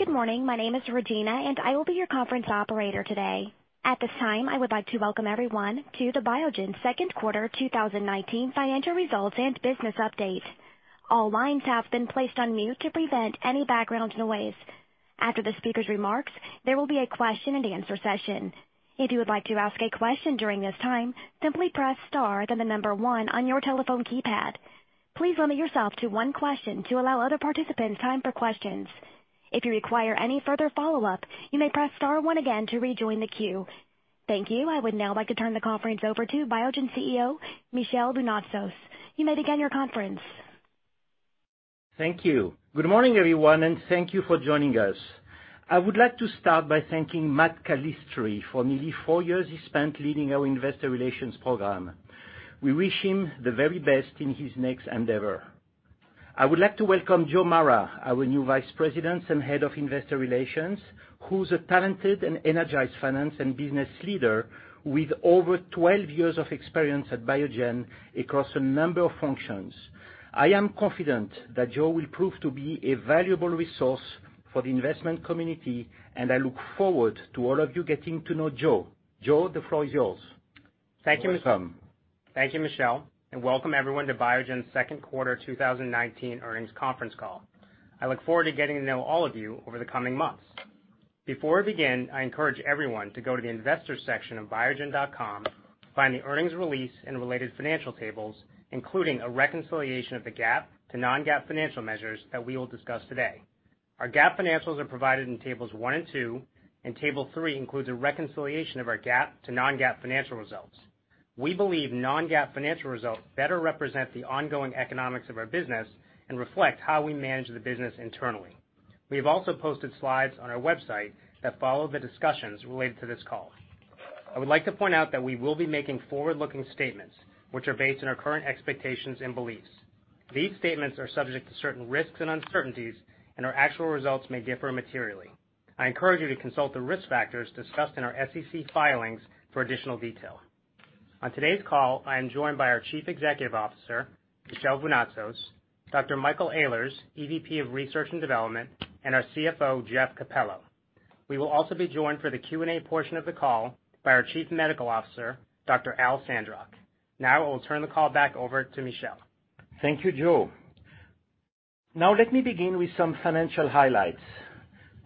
Good morning. My name is Regina. I will be your conference operator today. At this time, I would like to welcome everyone to the Biogen second quarter 2019 financial results and business update. All lines have been placed on mute to prevent any background noise. After the speaker's remarks, there will be a question-and-answer session. If you would like to ask a question during this time, simply press star, then the number one on your telephone keypad. Please limit yourself to one question to allow other participants time for questions. If you require any further follow-up, you may press star one again to rejoin the queue. Thank you. I would now like to turn the conference over to Biogen CEO, Michel Vounatsos. You may begin your conference. Thank you. Good morning, everyone, and thank you for joining us. I would like to start by thanking Matt Calistri for nearly four years he spent leading our investor relations program. We wish him the very best in his next endeavor. I would like to welcome Joe Mara, our new Vice President and Head of Investor Relations, who's a talented and energized finance and business leader with over 12 years of experience at Biogen across a number of functions. I am confident that Joe will prove to be a valuable resource for the investment community, and I look forward to all of you getting to know Joe. Joe, the floor is yours. Thank you, Michel. Welcome. Thank you, Michel. Welcome everyone to Biogen's second quarter 2019 earnings conference call. I look forward to getting to know all of you over the coming months. Before we begin, I encourage everyone to go to the investor section of biogen.com to find the earnings release and related financial tables, including a reconciliation of the GAAP to non-GAAP financial measures that we will discuss today. Our GAAP financials are provided in tables one and two. Table three includes a reconciliation of our GAAP to non-GAAP financial results. We believe non-GAAP financial results better represent the ongoing economics of our business. Reflect how we manage the business internally. We have also posted slides on our website that follow the discussions related to this call. I would like to point out that we will be making forward-looking statements, which are based on our current expectations and beliefs. These statements are subject to certain risks and uncertainties, and our actual results may differ materially. I encourage you to consult the risk factors discussed in our SEC filings for additional detail. On today's call, I am joined by our Chief Executive Officer, Michel Vounatsos, Dr. Michael Ehlers, EVP of Research and Development, and our CFO, Jeff Capello. We will also be joined for the Q&A portion of the call by our Chief Medical Officer, Dr. Al Sandrock. I will turn the call back over to Michel. Thank you, Joe. Let me begin with some financial highlights.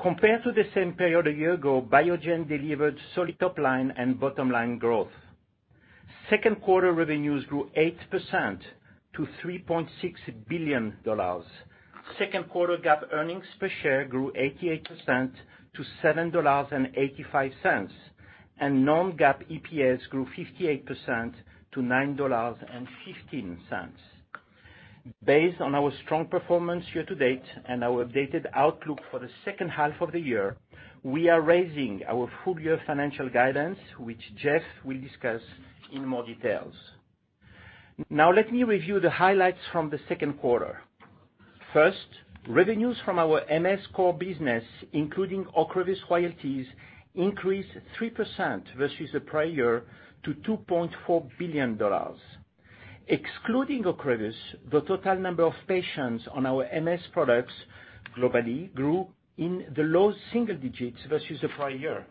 Compared to the same period a year ago, Biogen delivered solid top-line and bottom-line growth. Second quarter revenues grew 8% to $3.6 billion. Second quarter GAAP earnings per share grew 88% to $7.85, and non-GAAP EPS grew 58% to $9.15. Based on our strong performance year-to-date and our updated outlook for the second half of the year, we are raising our full-year financial guidance, which Jeff will discuss in more details. Let me review the highlights from the second quarter. First, revenues from our MS core business, including OCREVUS royalties, increased 3% versus the prior year to $2.4 billion. Excluding OCREVUS, the total number of patients on our MS products globally grew in the low single digits versus the prior year.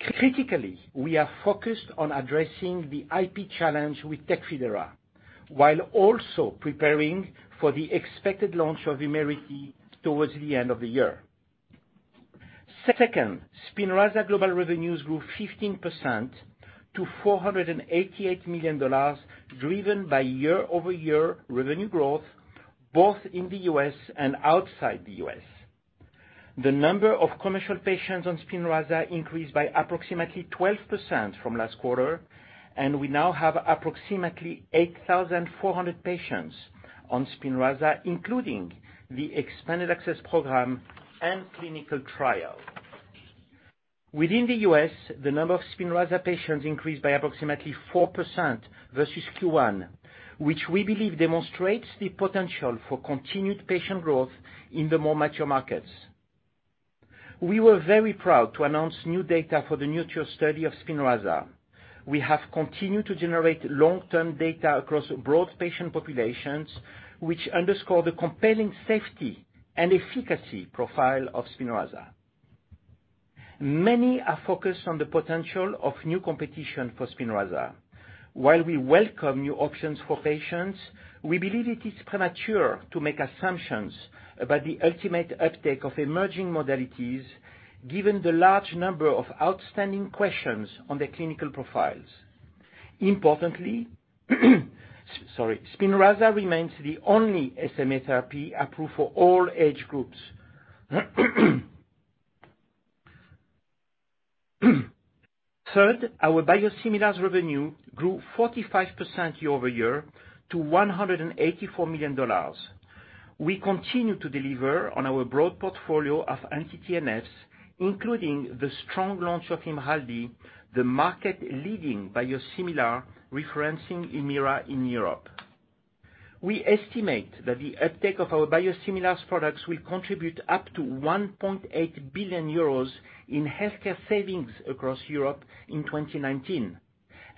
Critically, we are focused on addressing the IP challenge with TECFIDERA, while also preparing for the expected launch of VUMERITY towards the end of the year. Second, SPINRAZA global revenues grew 15% to $488 million, driven by year-over-year revenue growth, both in the U.S. and outside the U.S. The number of commercial patients on SPINRAZA increased by approximately 12% from last quarter, and we now have approximately 8,400 patients on SPINRAZA, including the expanded access program and clinical trial. Within the U.S., the number of SPINRAZA patients increased by approximately 4% versus Q1, which we believe demonstrates the potential for continued patient growth in the more mature markets. We were very proud to announce new data for the NURTURE study of SPINRAZA. We have continued to generate long-term data across broad patient populations, which underscore the compelling safety and efficacy profile of SPINRAZA. Many are focused on the potential of new competition for SPINRAZA. While we welcome new options for patients, we believe it is premature to make assumptions about the ultimate uptake of emerging modalities given the large number of outstanding questions on their clinical profiles. Importantly. SPINRAZA remains the only SMA therapy approved for all age groups. Third, our biosimilars revenue grew 45% year-over-year to $184 million. We continue to deliver on our broad portfolio of anti-TNFs, including the strong launch of IMRALDI, the market leading biosimilar referencing HUMIRA in Europe. We estimate that the uptake of our biosimilars products will contribute up to 1.8 billion euros in healthcare savings across Europe in 2019.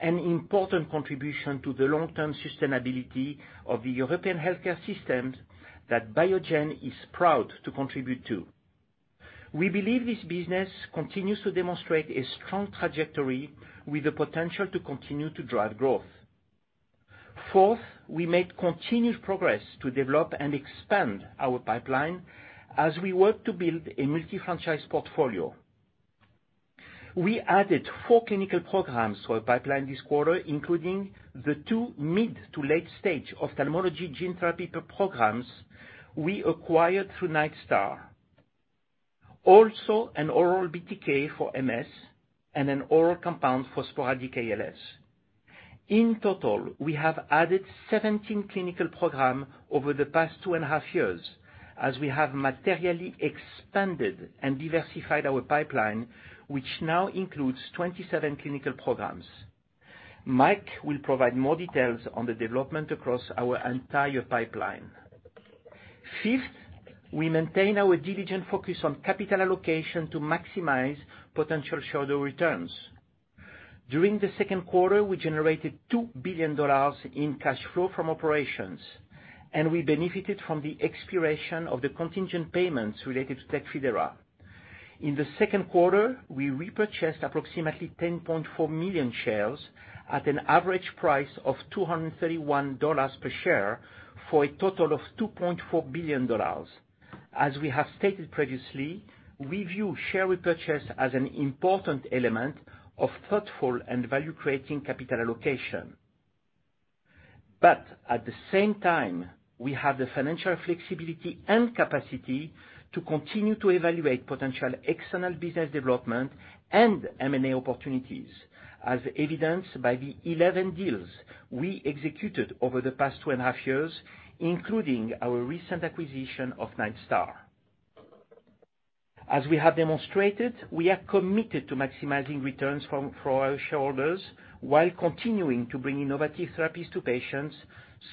An important contribution to the long-term sustainability of the European healthcare system that Biogen is proud to contribute to. We believe this business continues to demonstrate a strong trajectory with the potential to continue to drive growth. Fourth, we made continuous progress to develop and expand our pipeline as we work to build a multi-franchise portfolio. We added four clinical programs to our pipeline this quarter, including the two mid to late-stage ophthalmology gene therapy programs we acquired through Nightstar. An oral BTK for MS and an oral compound for sporadic ALS. In total, we have added 17 clinical program over the past two and a half years as we have materially expanded and diversified our pipeline, which now includes 27 clinical programs. Mike will provide more details on the development across our entire pipeline. Fifth, we maintain our diligent focus on capital allocation to maximize potential shareholder returns. During the second quarter, we generated $2 billion in cash flow from operations, and we benefited from the expiration of the contingent payments related to TECFIDERA. In the second quarter, we repurchased approximately 10.4 million shares at an average price of $231 per share for a total of $2.4 billion. As we have stated previously, But at the same time, we view share repurchase as an important element of thoughtful and value-creating capital allocation. At the same time, we have the financial flexibility and capacity to continue to evaluate potential external business development and M&A opportunities, as evidenced by the 11 deals we executed over the past two and a half years, including our recent acquisition of Nightstar. As we have demonstrated, we are committed to maximizing returns for our shareholders while continuing to bring innovative therapies to patients,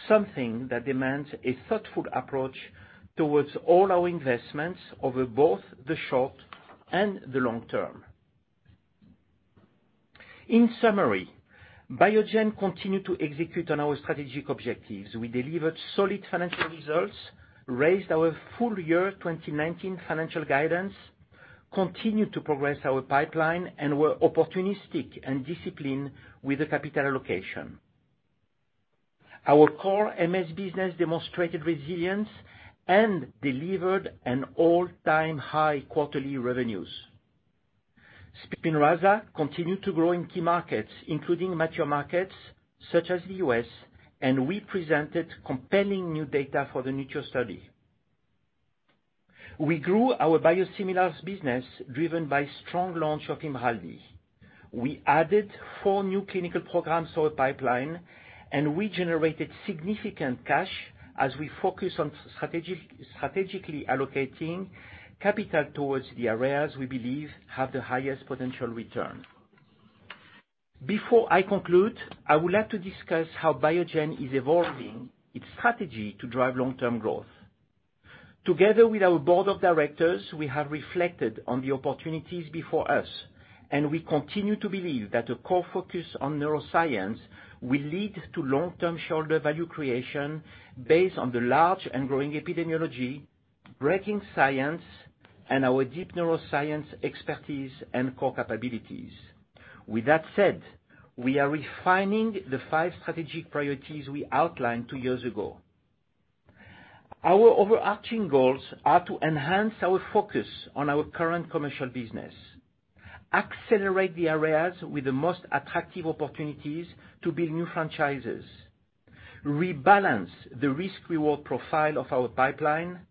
something that demands a thoughtful approach towards all our investments over both the short and the long term. In summary, Biogen continued to execute on our strategic objectives. We delivered solid financial results, raised our full year 2019 financial guidance, continued to progress our pipeline, and were opportunistic and disciplined with the capital allocation. Our core MS business demonstrated resilience and delivered an all-time high quarterly revenues. SPINRAZA continued to grow in key markets, including mature markets such as the U.S., and we presented compelling new data for the NURTURE study. We grew our biosimilars business, driven by strong launch of IMRALDI. We added four new clinical programs to our pipeline, and we generated significant cash as we focus on strategically allocating capital towards the areas we believe have the highest potential return. Before I conclude, I would like to discuss how Biogen is evolving its strategy to drive long-term growth. Together with our board of directors, we have reflected on the opportunities before us, and we continue to believe that a core focus on neuroscience will lead to long-term shareholder value creation based on the large and growing epidemiology, breaking science, and our deep neuroscience expertise and core capabilities. With that said, we are refining the five strategic priorities we outlined two years ago. Our overarching goals are to enhance our focus on our current commercial business, accelerate the areas with the most attractive opportunities to build new franchises, rebalance the risk-reward profile of our pipeline,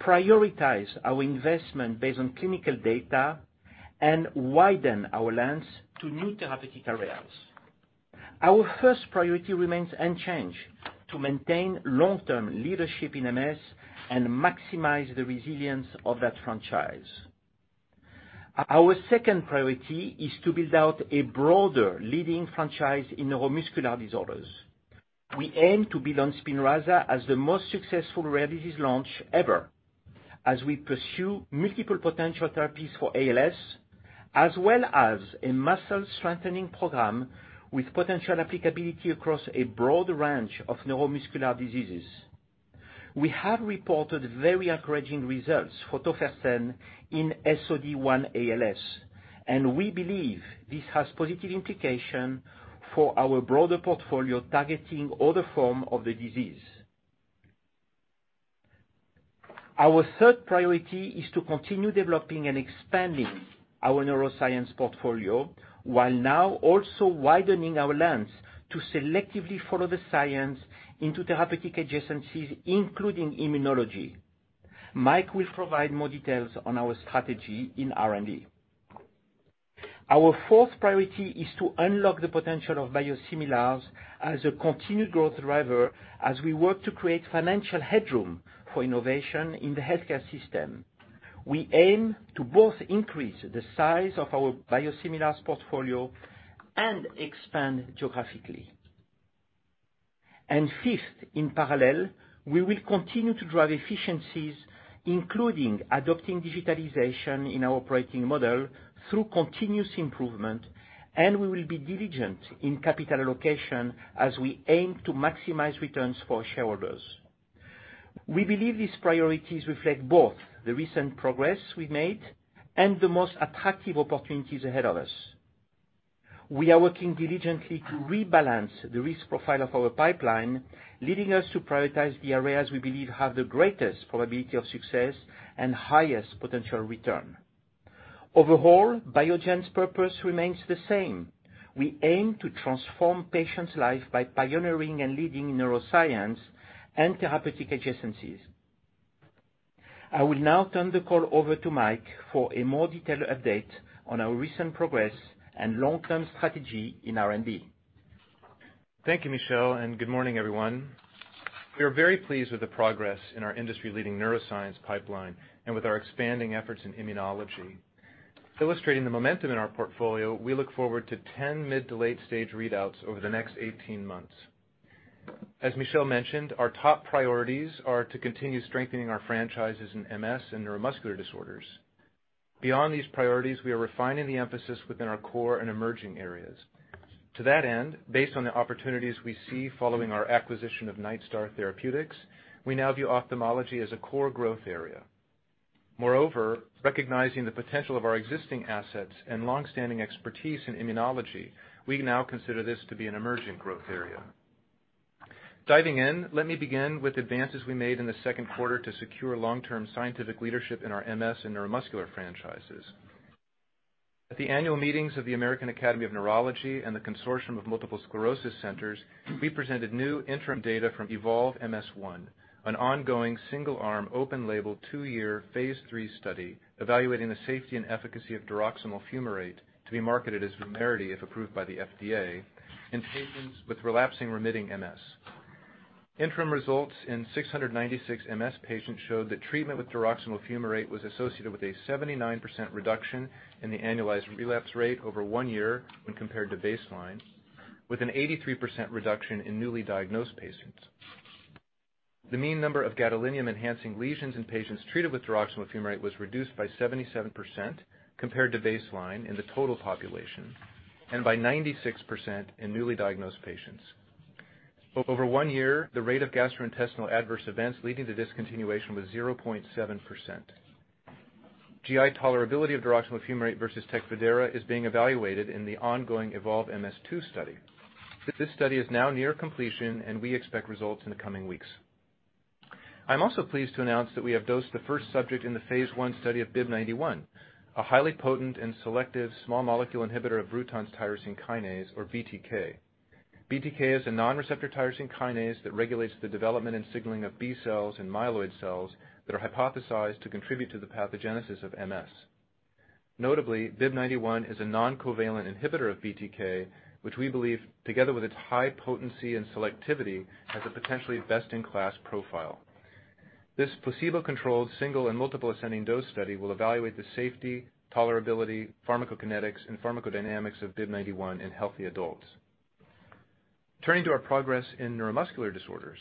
prioritize our investment based on clinical data, and widen our lens to new therapeutic areas. Our first priority remains unchanged to maintain long-term leadership in MS and maximize the resilience of that franchise. Our second priority is to build out a broader leading franchise in neuromuscular disorders. We aim to build on SPINRAZA as the most successful rare disease launch ever as we pursue multiple potential therapies for ALS, as well as a muscle-strengthening program with potential applicability across a broad range of neuromuscular diseases. We have reported very encouraging results for tofersen in SOD1-ALS, we believe this has positive implication for our broader portfolio targeting other form of the disease. Our third priority is to continue developing and expanding our neuroscience portfolio, while now also widening our lens to selectively follow the science into therapeutic adjacencies, including immunology. Mike will provide more details on our strategy in R&D. Our fourth priority is to unlock the potential of biosimilars as a continued growth driver as we work to create financial headroom for innovation in the healthcare system. We aim to both increase the size of our biosimilars portfolio and expand geographically. Fifth, in parallel, we will continue to drive efficiencies, including adopting digitalization in our operating model through continuous improvement, and we will be diligent in capital allocation as we aim to maximize returns for our shareholders. We believe these priorities reflect both the recent progress we've made and the most attractive opportunities ahead of us. We are working diligently to rebalance the risk profile of our pipeline, leading us to prioritize the areas we believe have the greatest probability of success and highest potential return. Overall, Biogen's purpose remains the same. We aim to transform patients' lives by pioneering and leading neuroscience and therapeutic adjacencies. I will now turn the call over to Mike for a more detailed update on our recent progress and long-term strategy in R&D. Thank you, Michel. Good morning, everyone. We are very pleased with the progress in our industry-leading neuroscience pipeline and with our expanding efforts in immunology. Illustrating the momentum in our portfolio, we look forward to 10 mid to late-stage readouts over the next 18 months. As Michel mentioned, our top priorities are to continue strengthening our franchises in MS and neuromuscular disorders. Beyond these priorities, we are refining the emphasis within our core and emerging areas. To that end, based on the opportunities we see following our acquisition of Nightstar Therapeutics, we now view ophthalmology as a core growth area. Recognizing the potential of our existing assets and long-standing expertise in immunology, we now consider this to be an emerging growth area. Diving in, let me begin with advances we made in the second quarter to secure long-term scientific leadership in our MS and neuromuscular franchises. At the annual meetings of the American Academy of Neurology and the Consortium of Multiple Sclerosis Centers, we presented new interim data from EVOLVE-MS-1, an ongoing single-arm, open-label, two-year phase III study evaluating the safety and efficacy of diroximel fumarate to be marketed as VUMERITY, if approved by the FDA, in patients with relapsing-remitting MS. Interim results in 696 MS patients showed that treatment with diroximel fumarate was associated with a 79% reduction in the annualized relapse rate over one year when compared to baseline, with an 83% reduction in newly diagnosed patients. The mean number of gadolinium-enhancing lesions in patients treated with diroximel fumarate was reduced by 77% compared to baseline in the total population and by 96% in newly diagnosed patients. Over one year, the rate of gastrointestinal adverse events leading to discontinuation was 0.7%. GI tolerability of diroximel fumarate versus TECFIDERA is being evaluated in the ongoing EVOLVE-MS-2 study. This study is now near completion, and we expect results in the coming weeks. I'm also pleased to announce that we have dosed the first subject in the phase I study of BIIB091, a highly potent and selective small molecule inhibitor of Bruton's tyrosine kinase, or BTK. BTK is a non-receptor tyrosine kinase that regulates the development and signaling of B cells and myeloid cells that are hypothesized to contribute to the pathogenesis of MS. Notably, BIIB091 is a non-covalent inhibitor of BTK, which we believe, together with its high potency and selectivity, has a potentially best-in-class profile. This placebo-controlled single and multiple ascending dose study will evaluate the safety, tolerability, pharmacokinetics, and pharmacodynamics of BIIB091 in healthy adults. Turning to our progress in neuromuscular disorders.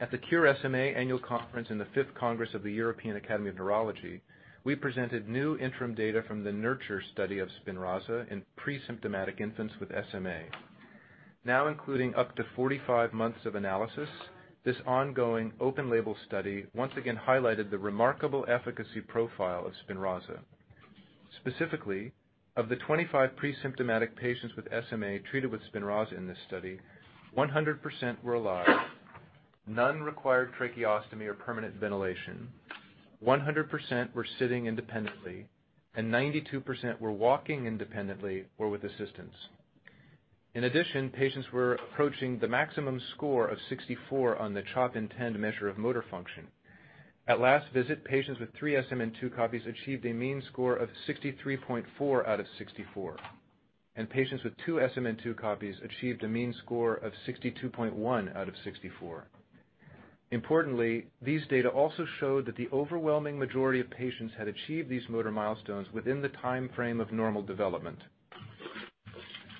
At the Cure SMA Annual Conference in the fifth Congress of the European Academy of Neurology, we presented new interim data from the NURTURE study of SPINRAZA in pre-symptomatic infants with SMA. Now including up to 45 months of analysis, this ongoing open-label study once again highlighted the remarkable efficacy profile of SPINRAZA. Specifically, of the 25 pre-symptomatic patients with SMA treated with SPINRAZA in this study, 100% were alive, none required tracheostomy or permanent ventilation, 100% were sitting independently, and 92% were walking independently or with assistance. In addition, patients were approaching the maximum score of 64 on the CHOP INTEND measure of motor function. At last visit, patients with three SMN2 copies achieved a mean score of 63.4 out of 64, and patients with two SMN2 copies achieved a mean score of 62.1 out of 64. Importantly, these data also showed that the overwhelming majority of patients had achieved these motor milestones within the timeframe of normal development.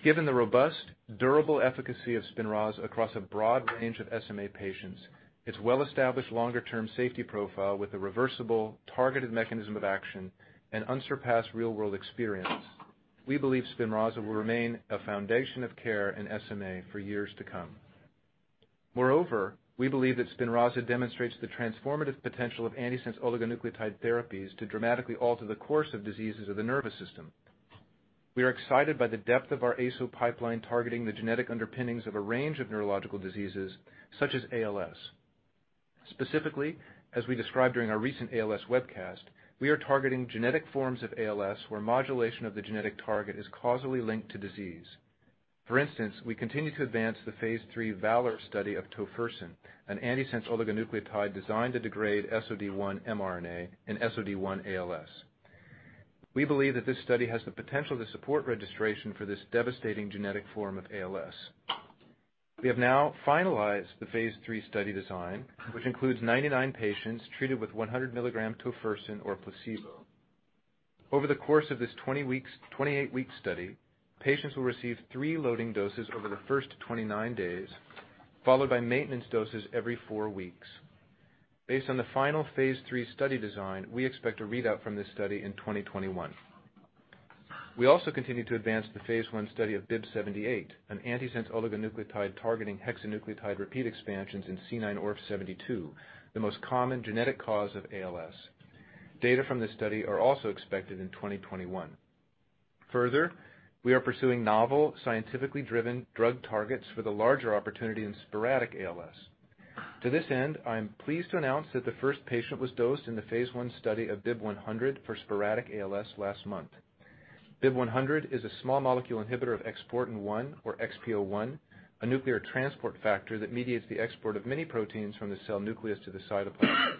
Given the robust, durable efficacy of SPINRAZA across a broad range of SMA patients, its well-established longer-term safety profile with a reversible, targeted mechanism of action, and unsurpassed real-world experience, we believe SPINRAZA will remain a foundation of care in SMA for years to come. Moreover, we believe that SPINRAZA demonstrates the transformative potential of antisense oligonucleotide therapies to dramatically alter the course of diseases of the nervous system. We are excited by the depth of our ASO pipeline targeting the genetic underpinnings of a range of neurological diseases such as ALS. Specifically, as we described during our recent ALS webcast, we are targeting genetic forms of ALS where modulation of the genetic target is causally linked to disease. For instance, we continue to advance the phase III VALOR study of tofersen, an antisense oligonucleotide designed to degrade SOD1 mRNA and SOD1 ALS. We believe that this study has the potential to support registration for this devastating genetic form of ALS. We have now finalized the phase III study design, which includes 99 patients treated with 100 mg tofersen or placebo. Over the course of this 28-week study, patients will receive three loading doses over the first 29 days, followed by maintenance doses every four weeks. Based on the final phase III study design, we expect a readout from this study in 2021. We also continue to advance the phase I study of BIIB078, an antisense oligonucleotide targeting hexanucleotide repeat expansions in C9orf72, the most common genetic cause of ALS. Data from this study are also expected in 2021. Further, we are pursuing novel, scientifically driven drug targets with a larger opportunity in sporadic ALS. To this end, I am pleased to announce that the first patient was dosed in the phase I study of BIIB100 for sporadic ALS last month. BIIB100 is a small molecule inhibitor of exportin 1, or XPO1, a nuclear transport factor that mediates the export of many proteins from the cell nucleus to the cytoplasm.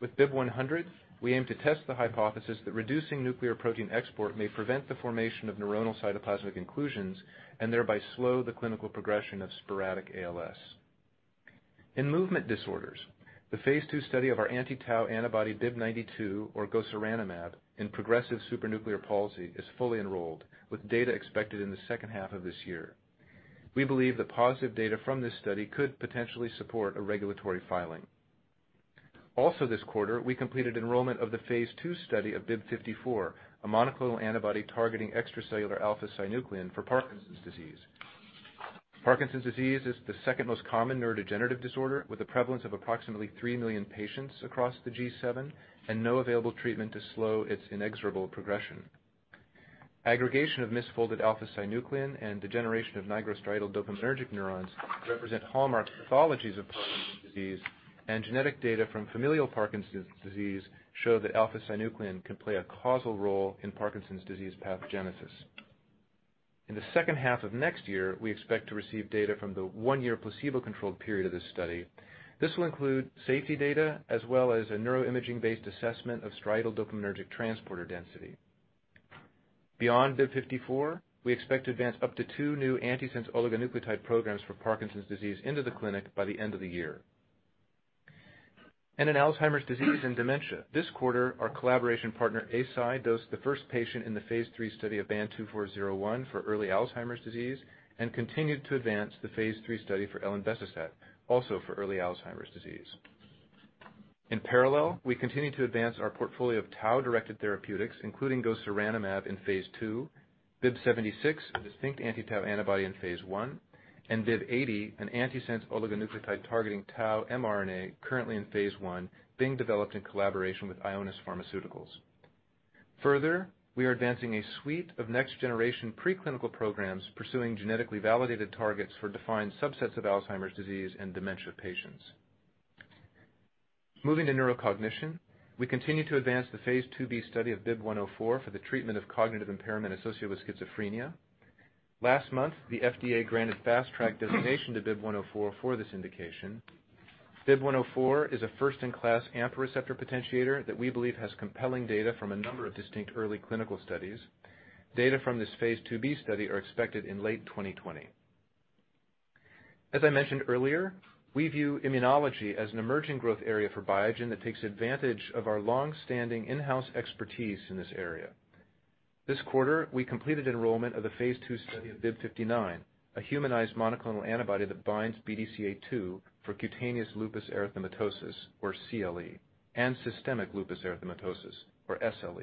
With BIIB100, we aim to test the hypothesis that reducing nuclear protein export may prevent the formation of neuronal cytoplasmic inclusions and thereby slow the clinical progression of sporadic ALS. In movement disorders, the phase II study of our anti-tau antibody BIIB092, or gosuranemab, in progressive supranuclear palsy, is fully enrolled with data expected in the second half of this year. We believe that positive data from this study could potentially support a regulatory filing. Also this quarter, we completed enrollment of the phase II study of BIIB054, a monoclonal antibody targeting extracellular alpha-synuclein for Parkinson's disease. Parkinson's disease is the second most common neurodegenerative disorder, with a prevalence of approximately 3 million patients across the G7 and no available treatment to slow its inexorable progression. Aggregation of misfolded alpha-synuclein and degeneration of nigrostriatal dopaminergic neurons represent hallmark pathologies of Parkinson's disease. Genetic data from familial Parkinson's disease show that alpha-synuclein can play a causal role in Parkinson's disease pathogenesis. In the second half of next year, we expect to receive data from the one-year placebo-controlled period of this study. This will include safety data as well as a neuroimaging-based assessment of striatal dopaminergic transporter density. Beyond BIIB054, we expect to advance up to two new antisense oligonucleotide programs for Parkinson's disease into the clinic by the end of the year. In Alzheimer's disease and dementia, this quarter, our collaboration partner, Eisai, dosed the first patient in the phase III study of BAN2401 for early Alzheimer's disease and continued to advance the phase III study for lecanemab, also for early Alzheimer's disease. In parallel, we continue to advance our portfolio of tau-directed therapeutics, including gosuranemab in phase II, BIIB076, a distinct anti-tau antibody in phase I, and BIIB080, an antisense oligonucleotide targeting tau mRNA currently in phase I, being developed in collaboration with Ionis Pharmaceuticals. Further, we are advancing a suite of next-generation preclinical programs pursuing genetically validated targets for defined subsets of Alzheimer's disease and dementia patients. Moving to neurocognition, we continue to advance the phase II-B study of BIIB104 for the treatment of cognitive impairment associated with schizophrenia. Last month, the FDA granted Fast Track designation to BIIB104 for this indication. BIIB104 is a first-in-class AMPA receptor potentiator that we believe has compelling data from a number of distinct early clinical studies. Data from this phase II-B study are expected in late 2020. As I mentioned earlier, we view immunology as an emerging growth area for Biogen that takes advantage of our long-standing in-house expertise in this area. This quarter, we completed enrollment of the phase II study of BIIB059, a humanized monoclonal antibody that binds BDCA2 for cutaneous lupus erythematosus, or CLE, and systemic lupus erythematosus, or SLE.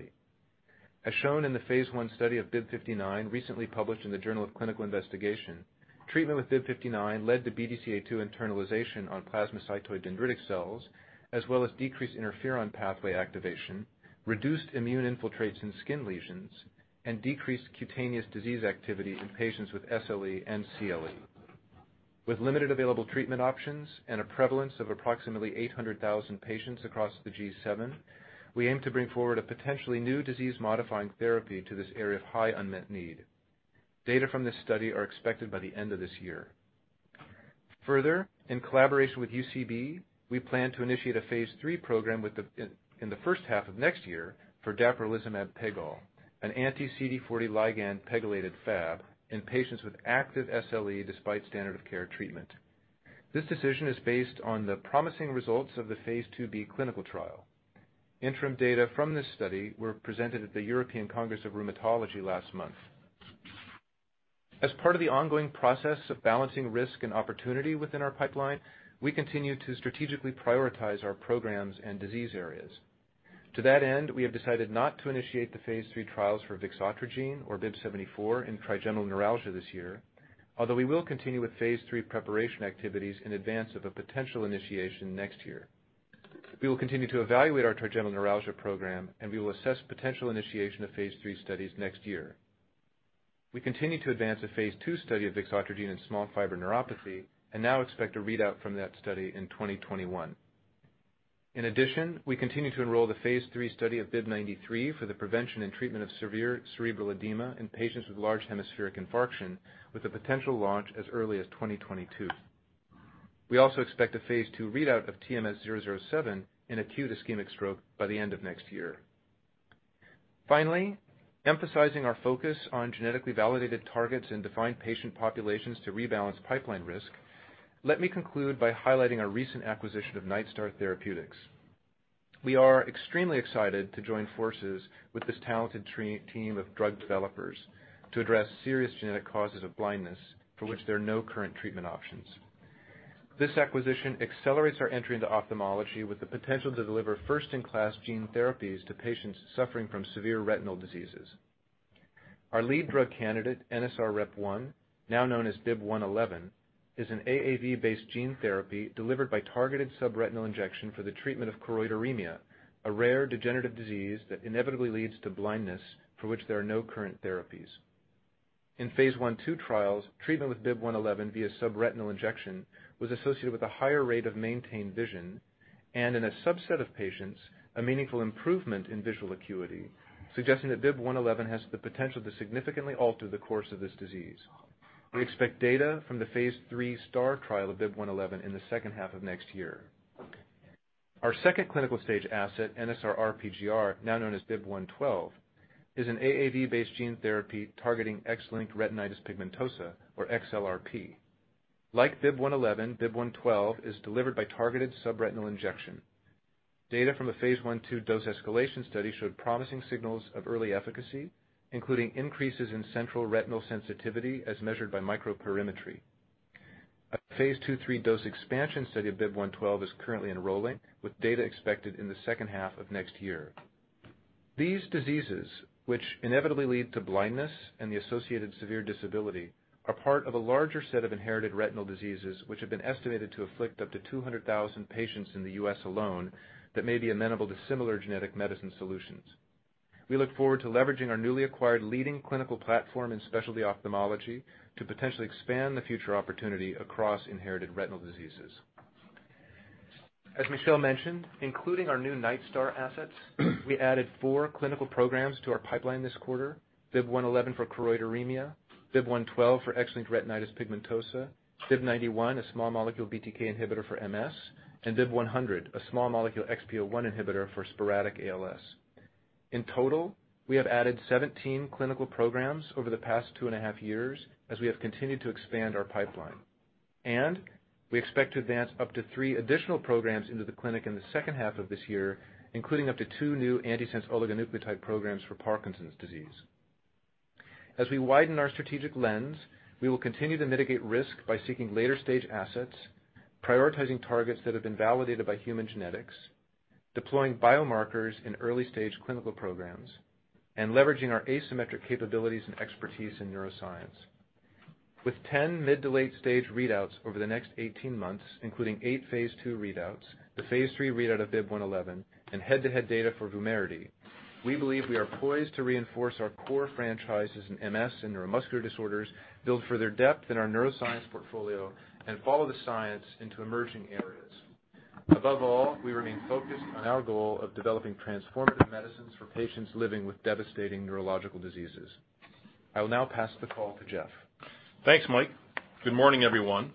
As shown in the phase I study of BIIB059, recently published in the "Journal of Clinical Investigation," treatment with BIIB059 led to BDCA2 internalization on plasmacytoid dendritic cells, as well as decreased interferon pathway activation, reduced immune infiltrates in skin lesions, and decreased cutaneous disease activity in patients with SLE and CLE. With limited available treatment options and a prevalence of approximately 800,000 patients across the G7, we aim to bring forward a potentially new disease-modifying therapy to this area of high unmet need. Data from this study are expected by the end of this year. In collaboration with UCB, we plan to initiate a phase III program in the first half of next year for dapirolizumab pegol, an anti-CD40L pegylated Fab in patients with active SLE despite standard of care treatment. This decision is based on the promising results of the phase II-B clinical trial. Interim data from this study were presented at the European Congress of Rheumatology last month. As part of the ongoing process of balancing risk and opportunity within our pipeline, we continue to strategically prioritize our programs and disease areas. To that end, we have decided not to initiate the phase III trials for vixotrigine, or BIIB074, in trigeminal neuralgia this year. We will continue with phase III preparation activities in advance of a potential initiation next year. We will continue to evaluate our trigeminal neuralgia program, and we will assess potential initiation of phase III studies next year. We continue to advance a phase II study of vixotrigine in small fiber neuropathy and now expect a readout from that study in 2021. In addition, we continue to enroll the phase III study of BIIB093 for the prevention and treatment of severe cerebral edema in patients with large hemispheric infarction, with a potential launch as early as 2022. We also expect a phase II readout of TMS-007 in acute ischemic stroke by the end of next year. Finally, emphasizing our focus on genetically validated targets in defined patient populations to rebalance pipeline risk, let me conclude by highlighting our recent acquisition of Nightstar Therapeutics. We are extremely excited to join forces with this talented team of drug developers to address serious genetic causes of blindness for which there are no current treatment options. This acquisition accelerates our entry into ophthalmology with the potential to deliver first-in-class gene therapies to patients suffering from severe retinal diseases. Our lead drug candidate, NSR-REP1, now known as BIIB111, is an AAV-based gene therapy delivered by targeted subretinal injection for the treatment of choroideremia, a rare degenerative disease that inevitably leads to blindness for which there are no current therapies. In phase I/II trials, treatment with BIIB111 via subretinal injection was associated with a higher rate of maintained vision, and in a subset of patients, a meaningful improvement in visual acuity, suggesting that BIIB111 has the potential to significantly alter the course of this disease. We expect data from the phase III STAR trial of BIIB111 in the second half of next year. Our second clinical stage asset, NSR-RPGR, now known as BIIB112, is an AAV-based gene therapy targeting X-linked retinitis pigmentosa or XLRP. Like BIIB111, BIIB112 is delivered by targeted subretinal injection. Data from a phase I/II dose escalation study showed promising signals of early efficacy, including increases in central retinal sensitivity as measured by microperimetry. A phase II/III dose expansion study of BIIB112 is currently enrolling with data expected in the second half of next year. These diseases, which inevitably lead to blindness and the associated severe disability, are part of a larger set of inherited retinal diseases which have been estimated to afflict up to 200,000 patients in the U.S. alone that may be amenable to similar genetic medicine solutions. We look forward to leveraging our newly acquired leading clinical platform in specialty ophthalmology to potentially expand the future opportunity across inherited retinal diseases. As Michel mentioned, including our new Nightstar assets, we added four clinical programs to our pipeline this quarter. BIIB111 for choroideremia, BIIB112 for X-linked retinitis pigmentosa, BIIB091, a small molecule BTK inhibitor for MS, and BIIB100, a small molecule XPO1 inhibitor for sporadic ALS. In total, we have added 17 clinical programs over the past two and a half years as we have continued to expand our pipeline. We expect to advance up to three additional programs into the clinic in the second half of this year, including up to two new antisense oligonucleotide programs for Parkinson's disease. As we widen our strategic lens, we will continue to mitigate risk by seeking later-stage assets, prioritizing targets that have been validated by human genetics, deploying biomarkers in early-stage clinical programs, and leveraging our asymmetric capabilities and expertise in neuroscience. With 10 mid to late-stage readouts over the next 18 months, including eight phase II readouts, the phase III readout of BIIB111, and head-to-head data for VUMERITY, we believe we are poised to reinforce our core franchises in MS and neuromuscular disorders, build further depth in our neuroscience portfolio, and follow the science into emerging areas. Above all, we remain focused on our goal of developing transformative medicines for patients living with devastating neurological diseases. I will now pass the call to Jeff. Thanks, Mike. Good morning, everyone.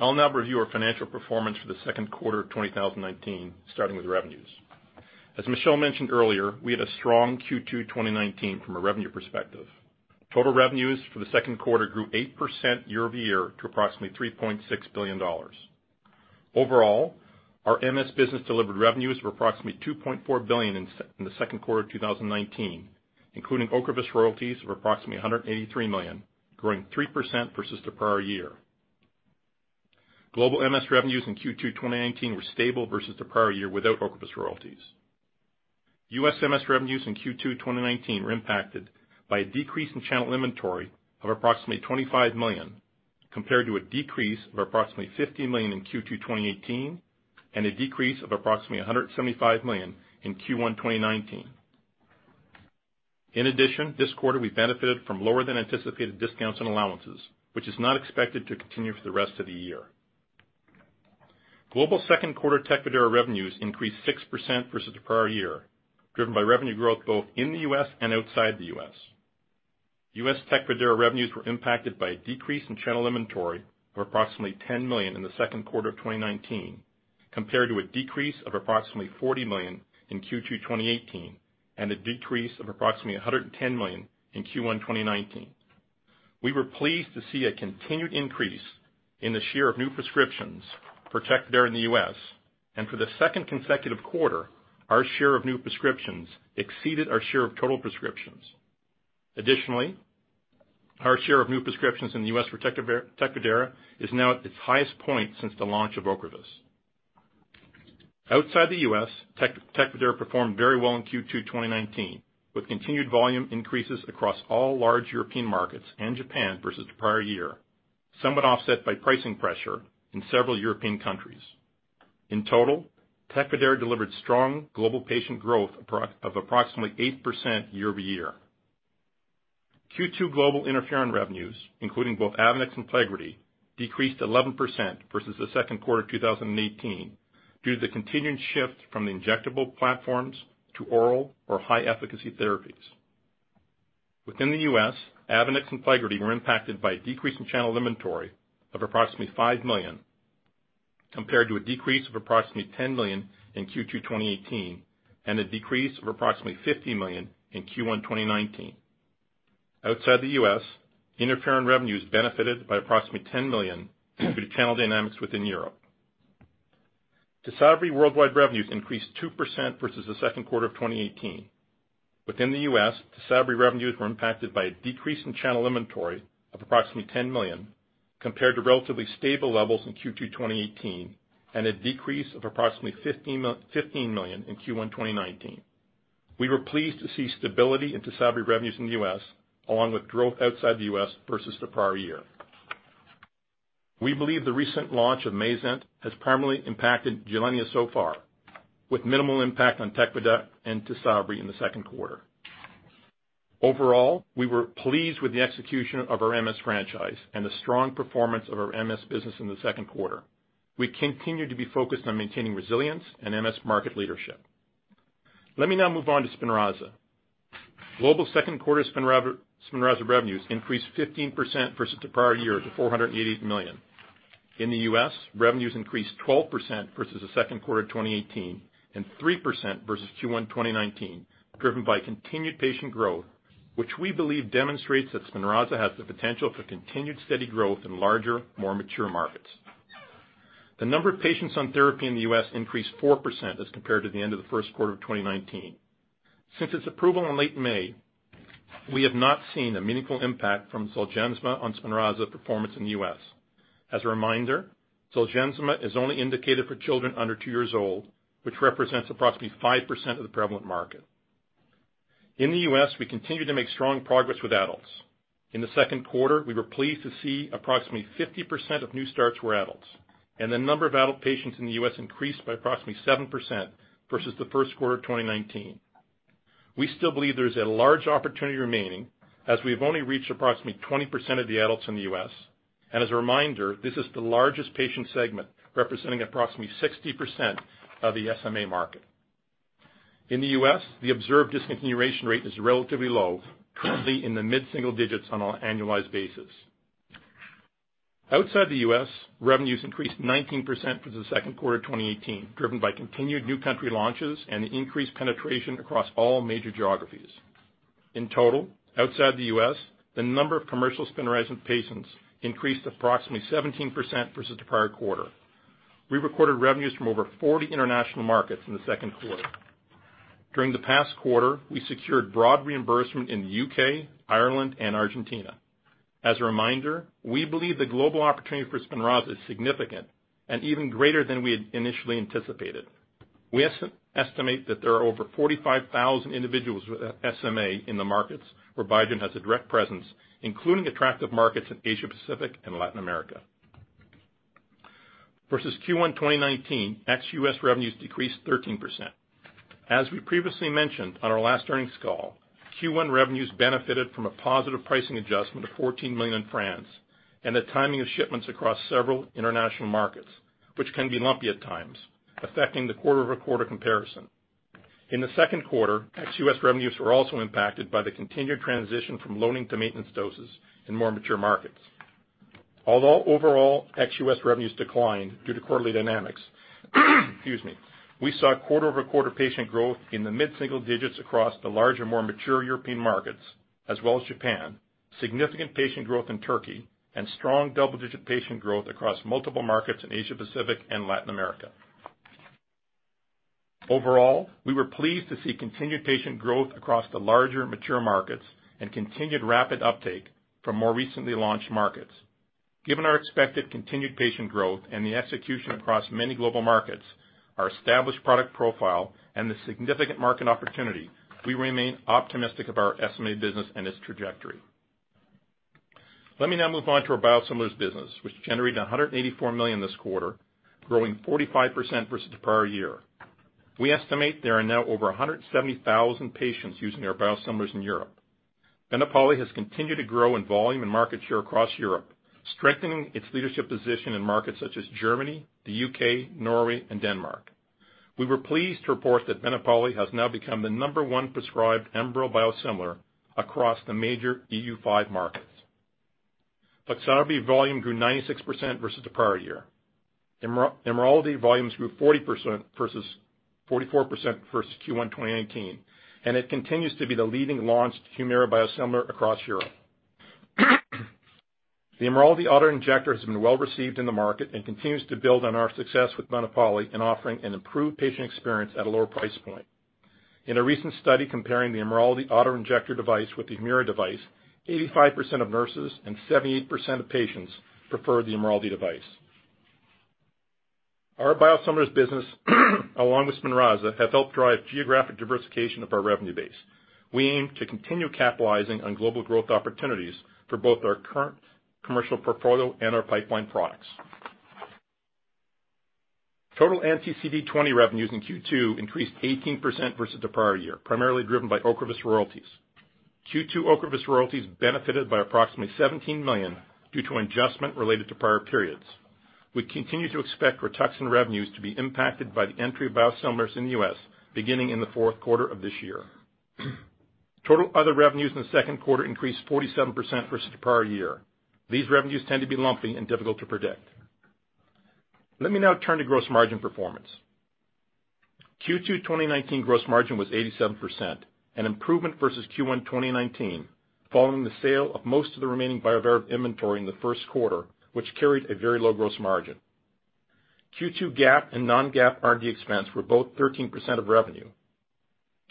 I'll now review our financial performance for the second quarter of 2019, starting with revenues. As Michel mentioned earlier, we had a strong Q2 2019 from a revenue perspective. Total revenues for the second quarter grew 8% year-over-year to approximately $3.6 billion. Overall, our MS business delivered revenues of approximately $2.4 billion in the second quarter of 2019, including OCREVUS royalties of approximately $183 million, growing 3% versus the prior year. Global MS revenues in Q2 2019 were stable versus the prior year without OCREVUS royalties. U.S. MS revenues in Q2 2019 were impacted by a decrease in channel inventory of approximately $25 million, compared to a decrease of approximately $15 million in Q2 2018, and a decrease of approximately $175 million in Q1 2019. In addition, this quarter, we benefited from lower than anticipated discounts and allowances, which is not expected to continue for the rest of the year. Global second quarter TECFIDERA revenues increased 6% versus the prior year, driven by revenue growth both in the U.S. and outside the U.S. U.S. TECFIDERA revenues were impacted by a decrease in channel inventory of approximately $10 million in the second quarter of 2019, compared to a decrease of approximately $40 million in Q2 2018, and a decrease of approximately $110 million in Q1 2019. We were pleased to see a continued increase in the share of new prescriptions for TECFIDERA in the U.S., and for the second consecutive quarter, our share of new prescriptions exceeded our share of total prescriptions. Additionally, our share of new prescriptions in the U.S. for TECFIDERA is now at its highest point since the launch of OCREVUS. Outside the U.S., TECFIDERA performed very well in Q2 2019, with continued volume increases across all large European markets and Japan versus the prior year, somewhat offset by pricing pressure in several European countries. In total, TECFIDERA delivered strong global patient growth of approximately 8% year-over-year. Q2 global interferon revenues, including both AVONEX and PLEGRIDY, decreased 11% versus the second quarter 2018 due to the continuing shift from the injectable platforms to oral or high-efficacy therapies. Within the U.S., AVONEX and PLEGRIDY were impacted by a decrease in channel inventory of approximately $5 million, compared to a decrease of approximately $10 million in Q2 2018, and a decrease of approximately $15 million in Q1 2019. Outside the U.S., interferon revenues benefited by approximately $10 million due to channel dynamics within Europe. TYSABRI worldwide revenues increased 2% versus the second quarter of 2018. Within the U.S., TYSABRI revenues were impacted by a decrease in channel inventory of approximately $10 million, compared to relatively stable levels in Q2 2018, and a decrease of approximately $15 million in Q1 2019. We were pleased to see stability in TYSABRI revenues in the U.S., along with growth outside the U.S. versus the prior year. We believe the recent launch of MAYZENT has primarily impacted GILENYA so far, with minimal impact on TECFIDERA and TYSABRI in the second quarter. Overall, we were pleased with the execution of our MS franchise and the strong performance of our MS business in the second quarter. We continue to be focused on maintaining resilience and MS market leadership. Let me now move on to SPINRAZA. Global second quarter SPINRAZA revenues increased 15% versus the prior year to $488 million. In the U.S., revenues increased 12% versus the second quarter 2018, and 3% versus Q1 2019, driven by continued patient growth, which we believe demonstrates that SPINRAZA has the potential for continued steady growth in larger, more mature markets. The number of patients on therapy in the U.S. increased 4% as compared to the end of the first quarter of 2019. Since its approval in late May, we have not seen a meaningful impact from ZOLGENSMA on SPINRAZA performance in the U.S. As a reminder, ZOLGENSMA is only indicated for children under two years old, which represents approximately 5% of the prevalent market. In the U.S., we continue to make strong progress with adults. In the second quarter, we were pleased to see approximately 50% of new starts were adults, and the number of adult patients in the U.S. increased by approximately 7% versus the first quarter of 2019. We still believe there is a large opportunity remaining, as we've only reached approximately 20% of the adults in the U.S. As a reminder, this is the largest patient segment, representing approximately 60% of the SMA market. In the U.S., the observed discontinuation rate is relatively low, currently in the mid-single digits on an annualized basis. Outside the U.S., revenues increased 19% for the second quarter 2018, driven by continued new country launches and increased penetration across all major geographies. In total, outside the U.S., the number of commercial SPINRAZA patients increased approximately 17% versus the prior quarter. We recorded revenues from over 40 international markets in the second quarter. During the past quarter, we secured broad reimbursement in the U.K., Ireland, and Argentina. As a reminder, we believe the global opportunity for SPINRAZA is significant and even greater than we had initially anticipated. We estimate that there are over 45,000 individuals with SMA in the markets where Biogen has a direct presence, including attractive markets in Asia Pacific and Latin America. Versus Q1 2019, ex-U.S. revenues decreased 13%. As we previously mentioned on our last earnings call, Q1 revenues benefited from a positive pricing adjustment of $14 million in France, and the timing of shipments across several international markets, which can be lumpy at times, affecting the quarter-over-quarter comparison. In the second quarter, ex-U.S. revenues were also impacted by the continued transition from loading to maintenance doses in more mature markets. Although overall ex-U.S. revenues declined due to quarterly dynamics, excuse me, we saw quarter-over-quarter patient growth in the mid-single digits across the larger, more mature European markets, as well as Japan, significant patient growth in Turkey, and strong double-digit patient growth across multiple markets in Asia Pacific and Latin America. Overall, we were pleased to see continued patient growth across the larger mature markets and continued rapid uptake from more recently launched markets. Given our expected continued patient growth and the execution across many global markets, our established product profile, and the significant market opportunity, we remain optimistic of our SMA business and its trajectory. Let me now move on to our biosimilars business, which generated $184 million this quarter, growing 45% versus the prior year. We estimate there are now over 170,000 patients using our biosimilars in Europe. BENEPALI has continued to grow in volume and market share across Europe, strengthening its leadership position in markets such as Germany, the U.K., Norway, and Denmark. We were pleased to report that BENEPALI has now become the number one prescribed Enbrel biosimilar across the major EU5 markets. FLIXABI volume grew 96% versus the prior year. IMRALDI volumes grew 44% versus Q1 2019, and it continues to be the leading launched HUMIRA biosimilar across Europe. The IMRALDI auto-injector has been well-received in the market and continues to build on our success with BENEPALI in offering an improved patient experience at a lower price point. In a recent study comparing the IMRALDI auto-injector device with the HUMIRA device, 85% of nurses and 78% of patients preferred the IMRALDI device. Our biosimilars business, along with SPINRAZA, have helped drive geographic diversification of our revenue base. We aim to continue capitalizing on global growth opportunities for both our current commercial portfolio and our pipeline products. Total anti-CD20 revenues in Q2 increased 18% versus the prior year, primarily driven by OCREVUS royalties. Q2 OCREVUS royalties benefited by approximately $17 million due to an adjustment related to prior periods. We continue to expect RITUXAN revenues to be impacted by the entry of biosimilars in the U.S. beginning in the fourth quarter of this year. Total other revenues in the second quarter increased 47% versus the prior year. These revenues tend to be lumpy and difficult to predict. Let me now turn to gross margin performance. Q2 2019 gross margin was 87%, an improvement versus Q1 2019, following the sale of most of the remaining Bioverativ inventory in the first quarter, which carried a very low gross margin. Q2 GAAP and non-GAAP R&D expense were both 13% of revenue.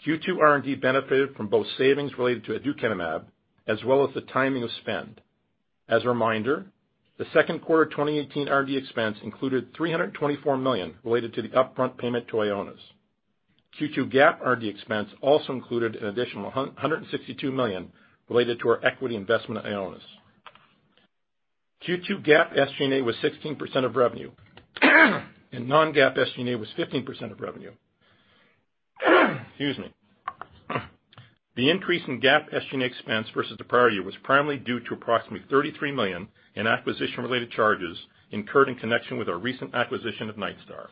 Q2 R&D benefited from both savings related to aducanumab, as well as the timing of spend. As a reminder, the second quarter 2018 R&D expense included $324 million related to the upfront payment to Ionis. Q2 GAAP R&D expense also included an additional $162 million related to our equity investment at Ionis. Q2 GAAP SG&A was 16% of revenue. Non-GAAP SG&A was 15% of revenue. Excuse me. The increase in GAAP SG&A expense versus the prior quarter was primarily due to approximately $33 million in acquisition-related charges incurred in connection with our recent acquisition of Nightstar.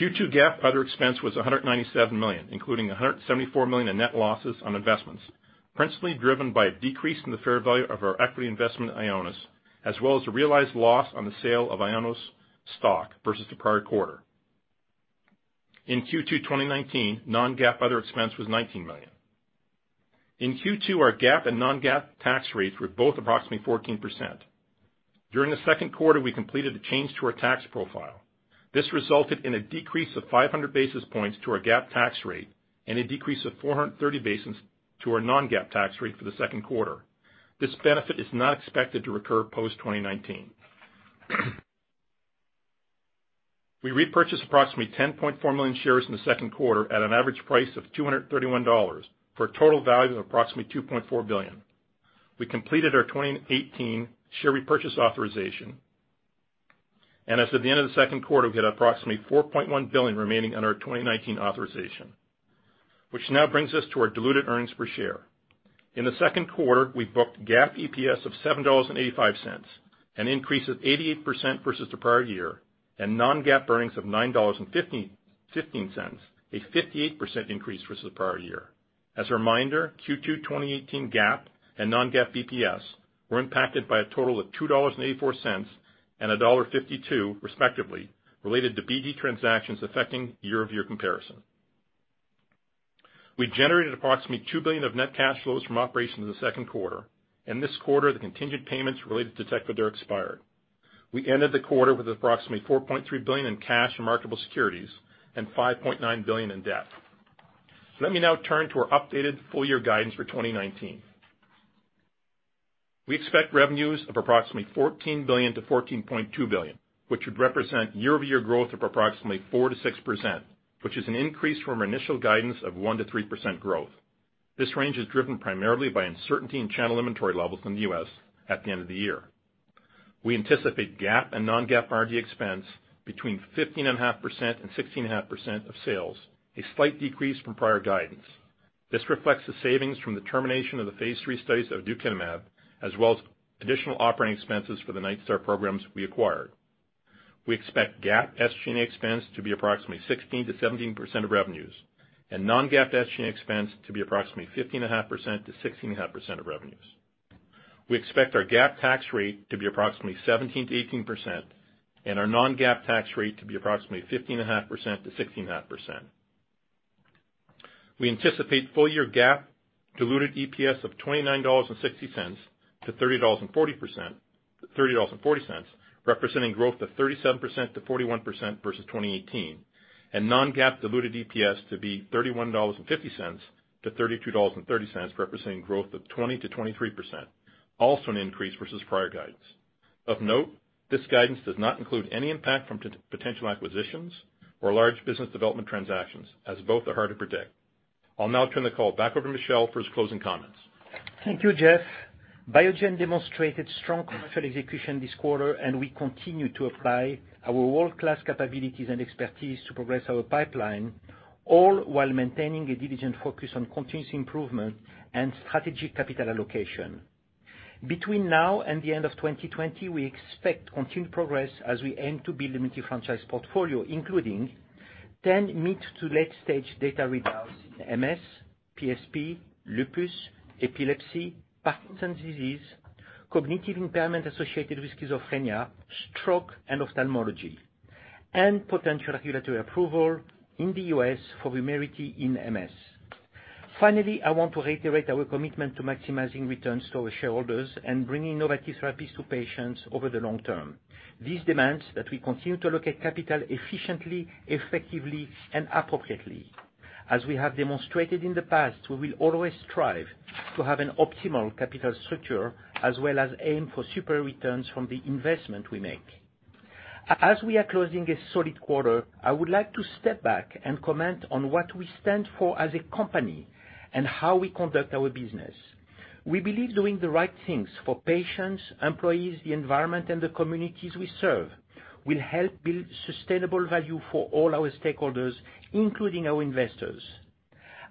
Q2 GAAP other expense was $197 million, including $174 million in net losses on investments, principally driven by a decrease in the fair value of our equity investment in Ionis, as well as the realized loss on the sale of Ionis stock versus the prior quarter. In Q2 2019, non-GAAP other expense was $19 million. In Q2, our GAAP and non-GAAP tax rates were both approximately 14%. During the second quarter, we completed a change to our tax profile. This resulted in a decrease of 500 basis points to our GAAP tax rate and a decrease of 430 basis points to our non-GAAP tax rate for the second quarter. This benefit is not expected to recur post 2019. We repurchased approximately 10.4 million shares in the second quarter at an average price of $231 for a total value of approximately $2.4 billion. As of the end of the second quarter, we had approximately $4.1 billion remaining on our 2019 authorization, which now brings us to our diluted earnings per share. In the second quarter, we booked GAAP EPS of $7.85, an increase of 88% versus the prior year, and non-GAAP earnings of $9.15, a 58% increase versus the prior year. As a reminder, Q2 2018 GAAP and non-GAAP EPS were impacted by a total of $2.84 and $1.52, respectively, related to BD transactions affecting year-over-year comparison. We generated approximately $2 billion of net cash flows from operations in the second quarter. In this quarter, the contingent payments related to TECFIDERA expired. We ended the quarter with approximately $4.3 billion in cash and marketable securities and $5.9 billion in debt. Let me now turn to our updated full year guidance for 2019. We expect revenues of approximately $14 billion-$14.2 billion, which would represent year-over-year growth of approximately 4%-6%, which is an increase from our initial guidance of 1%-3% growth. This range is driven primarily by uncertainty in channel inventory levels in the U.S. at the end of the year. We anticipate GAAP and non-GAAP R&D expense between 15.5% and 16.5% of sales, a slight decrease from prior guidance. This reflects the savings from the termination of the phase III studies of aducanumab, as well as additional operating expenses for the Nightstar programs we acquired. We expect GAAP SG&A expense to be approximately 16%-17% of revenues, and non-GAAP SG&A expense to be approximately 15.5%-16.5% of revenues. We expect our GAAP tax rate to be approximately 17%-18%, and our non-GAAP tax rate to be approximately 15.5%-16.5%. We anticipate full year GAAP diluted EPS of $29.60-$30.40, representing growth of 37%-41% versus 2018, and non-GAAP diluted EPS to be $31.50-$32.30, representing growth of 20%-23%, also an increase versus prior guidance. Of note, this guidance does not include any impact from potential acquisitions or large business development transactions, as both are hard to predict. I'll now turn the call back over to Michel for his closing comments. Thank you, Jeff. Biogen demonstrated strong commercial execution this quarter, and we continue to apply our world-class capabilities and expertise to progress our pipeline, all while maintaining a diligent focus on continuous improvement and strategic capital allocation. Between now and the end of 2020, we expect continued progress as we aim to build a multi-franchise portfolio, including 10 mid to late-stage data readouts in MS, PSP, lupus, epilepsy, Parkinson's disease, cognitive impairment associated with schizophrenia, stroke, and ophthalmology, and potential regulatory approval in the U.S. for HUMIRA in MS. Finally, I want to reiterate our commitment to maximizing returns to our shareholders and bringing innovative therapies to patients over the long term. This demands that we continue to allocate capital efficiently, effectively, and appropriately. As we have demonstrated in the past, we will always strive to have an optimal capital structure as well as aim for superior returns from the investment we make. As we are closing a solid quarter, I would like to step back and comment on what we stand for as a company and how we conduct our business. We believe doing the right things for patients, employees, the environment, and the communities we serve, will help build sustainable value for all our stakeholders, including our investors.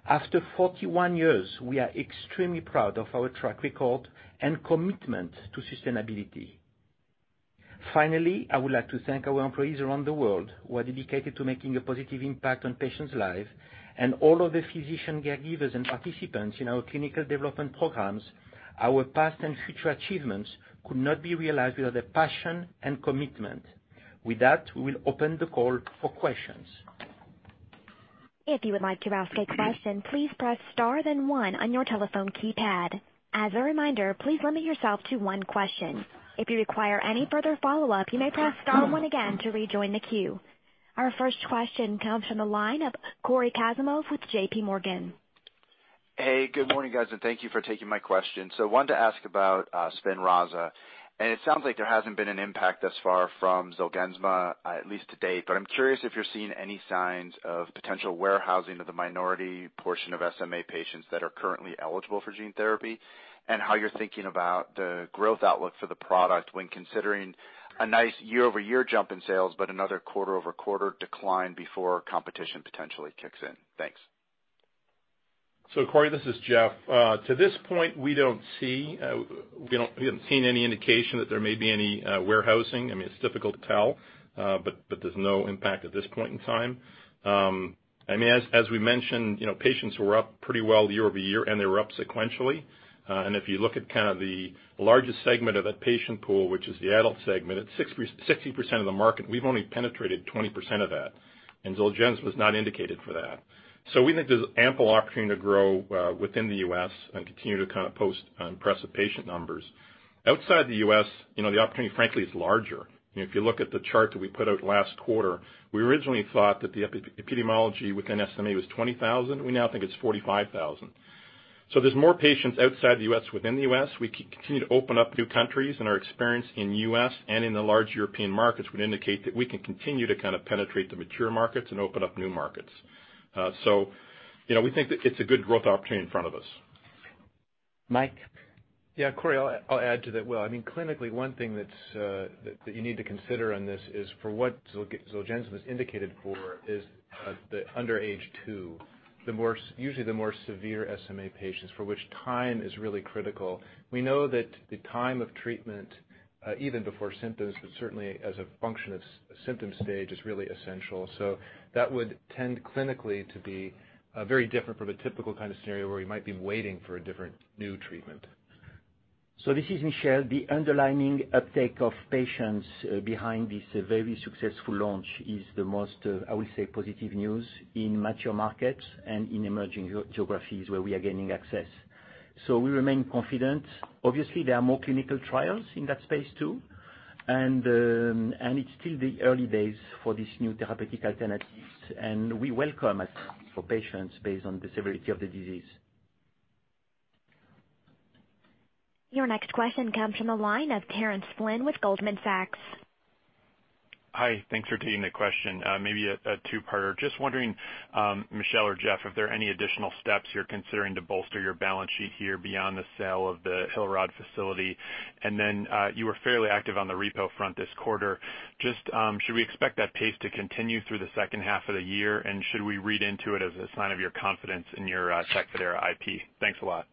After 41 years, we are extremely proud of our track record and commitment to sustainability. Finally, I would like to thank our employees around the world who are dedicated to making a positive impact on patients' lives and all of the physician caregivers and participants in our clinical development programs. Our past and future achievements could not be realized without their passion and commitment. With that, we will open the call for questions. If you would like to ask a question, please press star then one on your telephone keypad. As a reminder, please limit yourself to one question. If you require any further follow-up, you may press star one again to rejoin the queue. Our first question comes from the line of Cory Kasimov with JPMorgan. Hey, good morning, guys, and thank you for taking my question. Wanted to ask about SPINRAZA. It sounds like there hasn't been an impact thus far from ZOLGENSMA, at least to date, but I'm curious if you're seeing any signs of potential warehousing of the minority portion of SMA patients that are currently eligible for gene therapy, and how you're thinking about the growth outlook for the product when considering a nice year-over-year jump in sales but another quarter-over-quarter decline before competition potentially kicks in. Thanks. Cory, this is Jeff. To this point, we haven't seen any indication that there may be any warehousing. It's difficult to tell. There's no impact at this point in time. As we mentioned, patients were up pretty well year-over-year, and they were up sequentially. If you look at kind of the largest segment of that patient pool, which is the adult segment, it's 60% of the market, we've only penetrated 20% of that. ZOLGENSMA was not indicated for that. We think there's ample opportunity to grow within the U.S. and continue to post impressive patient numbers. Outside the U.S., the opportunity frankly is larger. If you look at the chart that we put out last quarter, we originally thought that the epidemiology within SMA was 20,000. We now think it's 45,000. There's more patients outside the U.S., within the U.S. We continue to open up new countries, and our experience in U.S. and in the large European markets would indicate that we can continue to penetrate the mature markets and open up new markets. We think that it's a good growth opportunity in front of us. Mike? Yeah, Cory, I'll add to that. Well, clinically, one thing that you need to consider on this is for what ZOLGENSMA's indicated for is the under age two, usually the more severe SMA patients, for which time is really critical. We know that the time of treatment, even before symptoms, but certainly as a function of symptom stage, is really essential. That would tend clinically to be very different from a typical kind of scenario where we might be waiting for a different new treatment. This is Michel. The underlying uptake of patients behind this very successful launch is the most, I would say, positive news in mature markets and in emerging geographies where we are gaining access. We remain confident. Obviously, there are more clinical trials in that space too, and it's still the early days for this new therapeutic alternatives, and we welcome for patients based on the severity of the disease. Your next question comes from the line of Terence Flynn with Goldman Sachs. Hi. Thanks for taking the question. Maybe a two-parter. Just wondering, Michel or Jeff, if there are any additional steps you're considering to bolster your balance sheet here beyond the sale of the Hillerød facility? You were fairly active on the repo front this quarter. Should we expect that pace to continue through the second half of the year? Should we read into it as a sign of your confidence in your TECFIDERA IP? Thanks a lot.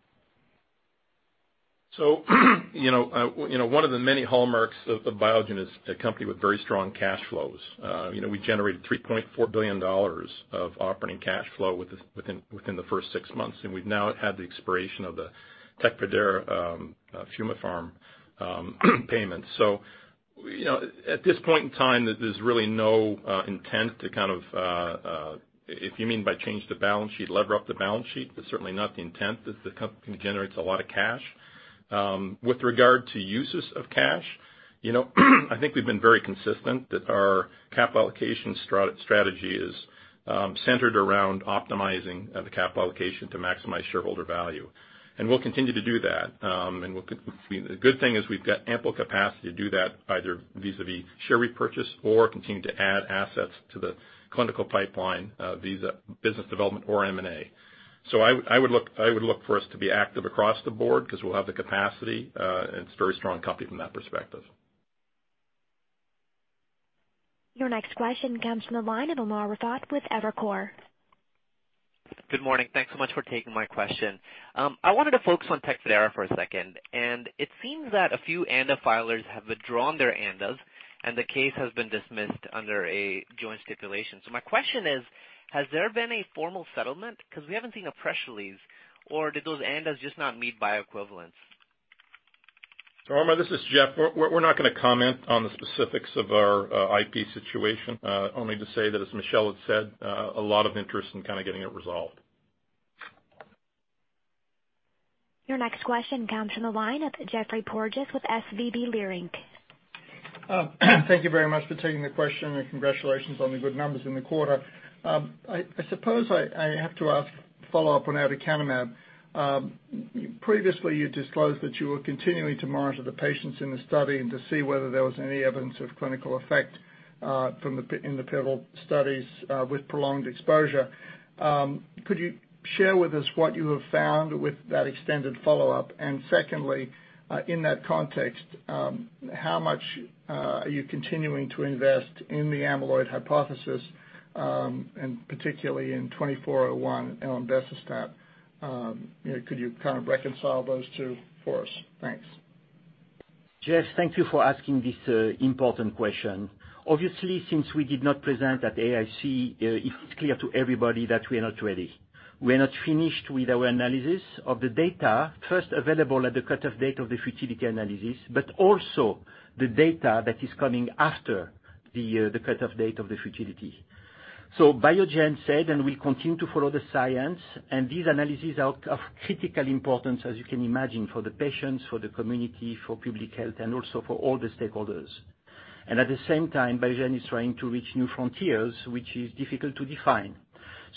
One of the many hallmarks of Biogen is a company with very strong cash flows. We generated $3.4 billion of operating cash flow within the first six months, and we've now had the expiration of the TECFIDERA Forward Pharma payment. At this point in time, there's really no intent to, if you mean by change the balance sheet, lever up the balance sheet, that's certainly not the intent, as the company generates a lot of cash. With regard to uses of cash, I think we've been very consistent that our capital allocation strategy is centered around optimizing the capital allocation to maximize shareholder value. We'll continue to do that. The good thing is we've got ample capacity to do that either vis-à-vis share repurchase or continue to add assets to the clinical pipeline, Business Development or M&A. I would look for us to be active across the board because we'll have the capacity, and it's a very strong company from that perspective. Your next question comes from the line of Umer Raffat with Evercore. Good morning. Thanks so much for taking my question. I wanted to focus on TECFIDERA for a second. It seems that a few ANDA filers have withdrawn their ANDAs, and the case has been dismissed under a joint stipulation. My question is, has there been a formal settlement because we haven't seen a press release, or did those ANDAs just not meet bioequivalence? Umer, this is Jeff. We're not going to comment on the specifics of our IP situation only to say that as Michel had said, a lot of interest in getting it resolved. Your next question comes from the line of Geoffrey Porges with SVB Leerink. Thank you very much for taking the question. Congratulations on the good numbers in the quarter. I suppose I have to ask follow-up on aducanumab. Previously, you disclosed that you were continuing to monitor the patients in the study and to see whether there was any evidence of clinical effect in the pivotal studies with prolonged exposure. Could you share with us what you have found with that extended follow-up? Secondly, in that context, how much are you continuing to invest in the amyloid hypothesis, and particularly in BAN2401, lecanemab? Could you kind of reconcile those two for us? Thanks. Geoff thank you for asking this important question. Obviously, since we did not present at AAIC, it's clear to everybody that we are not ready. We are not finished with our analysis of the data first available at the cutoff date of the futility analysis, but also the data that is coming after the cutoff date of the futility. Biogen said, and we continue to follow the science and these analysis are of critical importance, as you can imagine, for the patients, for the community, for public health, and also for all the stakeholders. At the same time, Biogen is trying to reach new frontiers, which is difficult to define.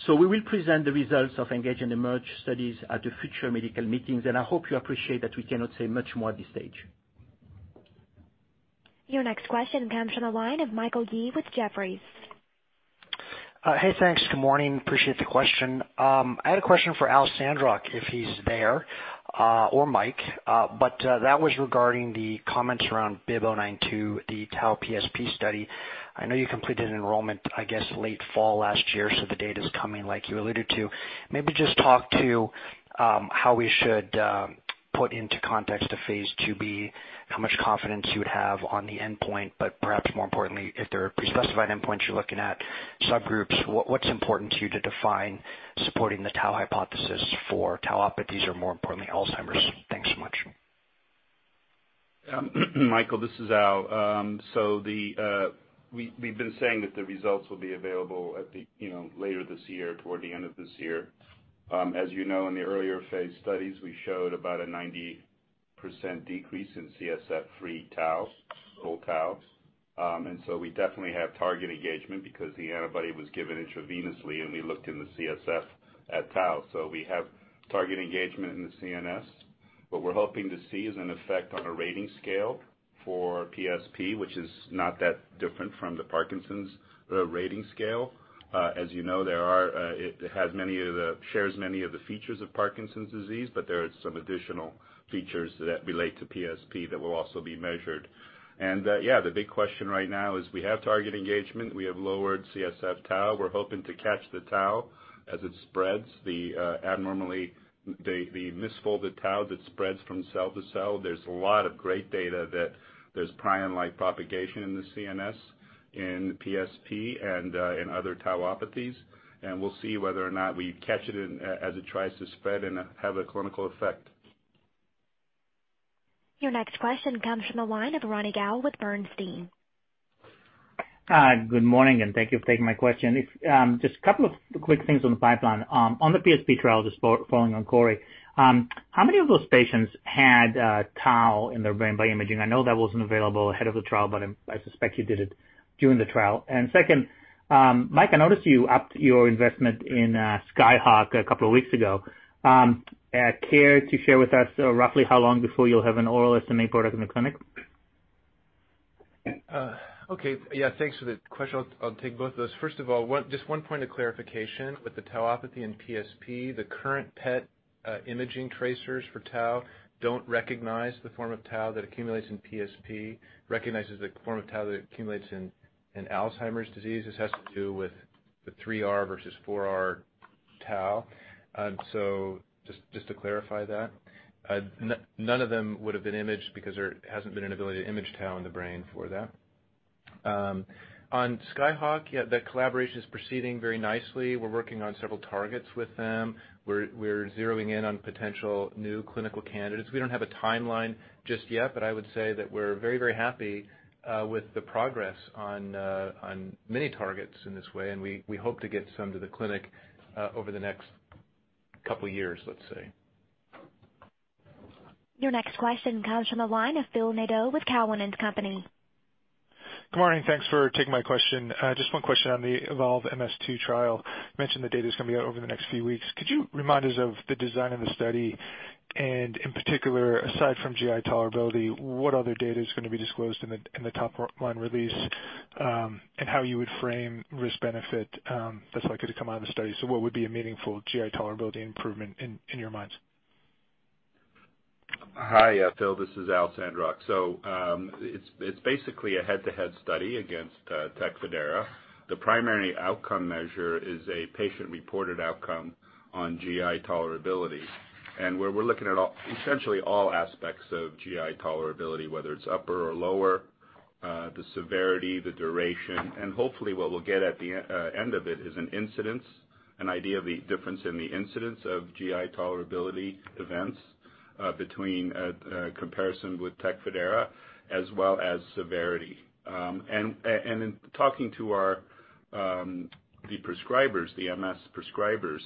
We will present the results of ENGAGE and EMERGE studies at the future medical meetings, and I hope you appreciate that we cannot say much more at this stage. Your next question comes from the line of Michael Yee with Jefferies. Hey, thanks. Good morning. Appreciate the question. I had a question for Al Sandrock, if he's there, or Mike, but that was regarding the comments around BIIB092, the tau PSP study. I know you completed an enrollment, I guess, late fall last year, so the data's coming like you alluded to. Maybe just talk to how we should put into context the phase II-B, how much confidence you would have on the endpoint. Perhaps more importantly, if there are pre-specified endpoints you're looking at, subgroups, what's important to you to define supporting the tau hypothesis for tauopathies or more importantly, Alzheimer's? Thanks so much. Michael, this is Al. We've been saying that the results will be available later this year, toward the end of this year. As you know, in the earlier phase studies, we showed about a 90% decrease in CSF free tau, total tau. We definitely have target engagement because the antibody was given intravenously, and we looked in the CSF at tau. We have target engagement in the CNS. What we're hoping to see is an effect on a rating scale for PSP, which is not that different from the Parkinson's rating scale. As you know, it shares many of the features of Parkinson's disease, but there are some additional features that relate to PSP that will also be measured. The big question right now is we have target engagement. We have lowered CSF tau. We're hoping to catch the tau as it spreads, the misfolded tau that spreads from cell to cell. There's a lot of great data that there's prion-like propagation in the CNS, in the PSP, and in other tauopathies. We'll see whether or not we catch it as it tries to spread and have a clinical effect. Your next question comes from the line of Ronny Gal with Bernstein. Good morning, and thank you for taking my question. Just a couple of quick things on the pipeline. On the PSP trial, just following on Cory, how many of those patients had tau in their brain by imaging? I know that wasn't available ahead of the trial, but I suspect you did it during the trial. Second, Mike, I noticed you upped your investment in Skyhawk a couple of weeks ago. Care to share with us roughly how long before you'll have an oral SMA product in the clinic? Okay. Yeah, thanks for the question. I'll take both of those. First of all, just one point of clarification with the tauopathy and PSP. The current PET imaging tracers for tau don't recognize the form of tau that accumulates in PSP. It recognizes the form of tau that accumulates in Alzheimer's disease. This has to do with the 3R versus 4R tau. Just to clarify that. None of them would've been imaged because there hasn't been an ability to image tau in the brain for that. On Skyhawk, yeah, that collaboration is proceeding very nicely. We're working on several targets with them. We're zeroing in on potential new clinical candidates. We don't have a timeline just yet, but I would say that we're very happy with the progress on many targets in this way, and we hope to get some to the clinic over the next couple of years, let's say. Your next question comes from the line of Phil Nadeau with Cowen and Company. Good morning. Thanks for taking my question. Just one question on the EVOLVE-MS-2 trial. You mentioned the data's going to be out over the next few weeks. Could you remind us of the design of the study? In particular, aside from GI tolerability, what other data is going to be disclosed in the top line release? How you would frame risk benefit that's likely to come out of the study. What would be a meaningful GI tolerability improvement in your minds? Hi, Phil. This is Al Sandrock. It's basically a head-to-head study against TECFIDERA. The primary outcome measure is a patient-reported outcome on GI tolerability. We're looking at essentially all aspects of GI tolerability, whether it's upper or lower, the severity, the duration, and hopefully what we'll get at the end of it is an incidence, an idea of the difference in the incidence of GI tolerability events between comparison with TECFIDERA, as well as severity. In talking to the prescribers, the MS prescribers,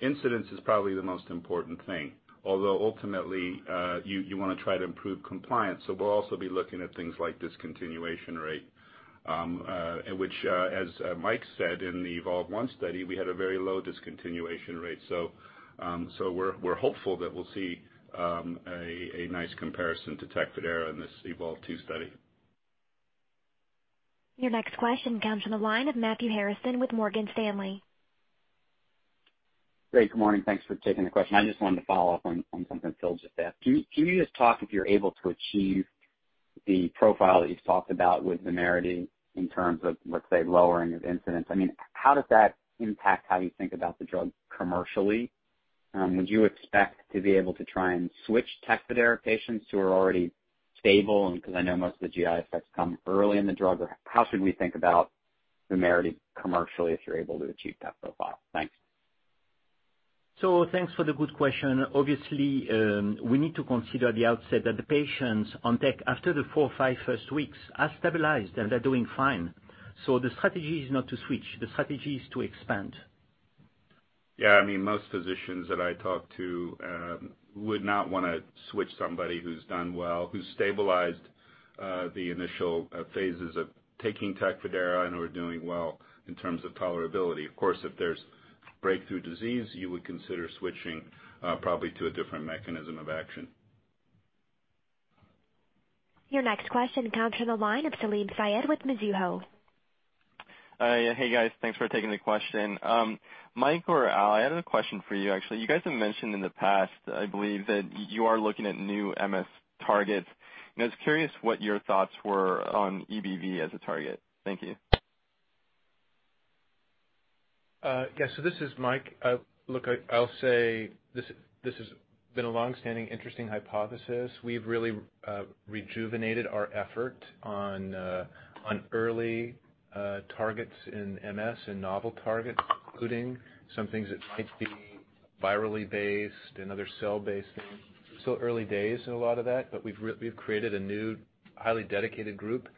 incidence is probably the most important thing, although ultimately, you want to try to improve compliance. We'll also be looking at things like discontinuation rate, which, as Mike said in the EVOLVE-MS-1 study, we had a very low discontinuation rate. We're hopeful that we'll see a nice comparison to TECFIDERA in this EVOLVE-MS-2 study. Your next question comes from the line of Matthew Harrison with Morgan Stanley. Great. Good morning. Thanks for taking the question. I just wanted to follow up on something Phil just asked. Can you just talk if you're able to achieve the profile that you've talked about with VUMERITY in terms of, let's say, lowering of incidence? How does that impact how you think about the drug commercially? Would you expect to be able to try and switch TECFIDERA patients who are already stable? Because I know most of the GI effects come early in the drug. How should we think about VUMERITY commercially if you're able to achieve that profile? Thanks. Thanks for the good question. Obviously, we need to consider the outset that the patients on TECFIDERA after the four or five first weeks are stabilized and they're doing fine. The strategy is not to switch. The strategy is to expand. Yeah, most physicians that I talk to would not want to switch somebody who's done well, who stabilized the initial phases of taking TECFIDERA and who are doing well in terms of tolerability. Of course, if there's breakthrough disease, you would consider switching probably to a different mechanism of action. Your next question comes from the line of Salim Syed with Mizuho. Hi. Hey, guys. Thanks for taking the question. Mike or Al, I had a question for you, actually. You guys have mentioned in the past, I believe, that you are looking at new MS targets. I was curious what your thoughts were on EBV as a target. Thank you. Yes. This is Mike. Look, I'll say this has been a long-standing interesting hypothesis. We've really rejuvenated our effort on early targets in MS and novel targets, including some things that might be virally based and other cell-based things. Still early days in a lot of that, but we've created a new, highly dedicated group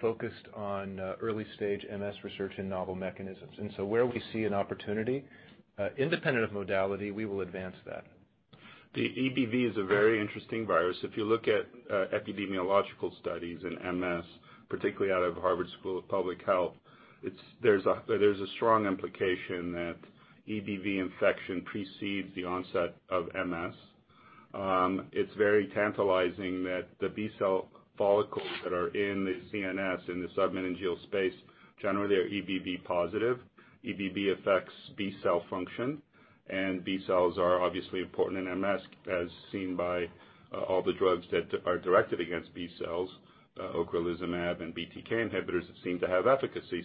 focused on early-stage MS research and novel mechanisms. Where we see an opportunity, independent of modality, we will advance that. The EBV is a very interesting virus. If you look at epidemiological studies in MS, particularly out of Harvard School of Public Health, there's a strong implication that EBV infection precedes the onset of MS. It's very tantalizing that the B-cell follicles that are in the CNS, in the sub-meningeal space, generally are EBV positive. EBV affects B-cell function, and B cells are obviously important in MS, as seen by all the drugs that are directed against B cells. ocrelizumab and BTK inhibitors seem to have efficacy.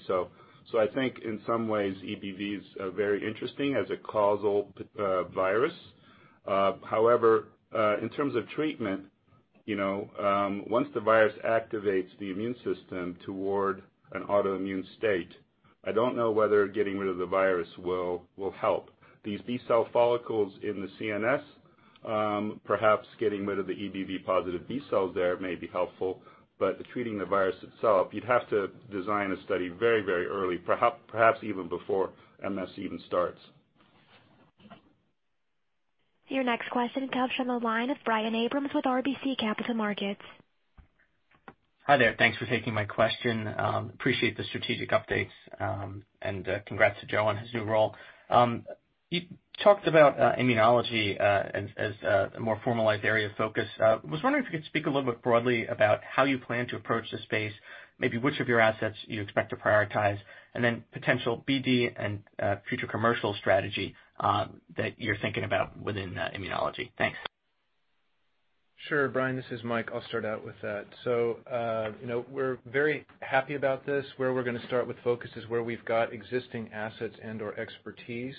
I think in some ways, EBV's very interesting as a causal virus. However, in terms of treatment, once the virus activates the immune system toward an autoimmune state, I don't know whether getting rid of the virus will help. These B-cell follicles in the CNS, perhaps getting rid of the EBV-positive B cells there may be helpful. Treating the virus itself, you'd have to design a study very early, perhaps even before MS even starts. Your next question comes from the line of Brian Abrahams with RBC Capital Markets. Hi there. Thanks for taking my question. Appreciate the strategic updates, and congrats to Joe on his new role. You talked about immunology as a more formalized area of focus. I was wondering if you could speak a little bit broadly about how you plan to approach the space, maybe which of your assets you expect to prioritize, and then potential BD and future commercial strategy that you're thinking about within immunology. Thanks. Sure, Brian. This is Mike. I'll start out with that. We're very happy about this. Where we're going to start with focus is where we've got existing assets and/or expertise.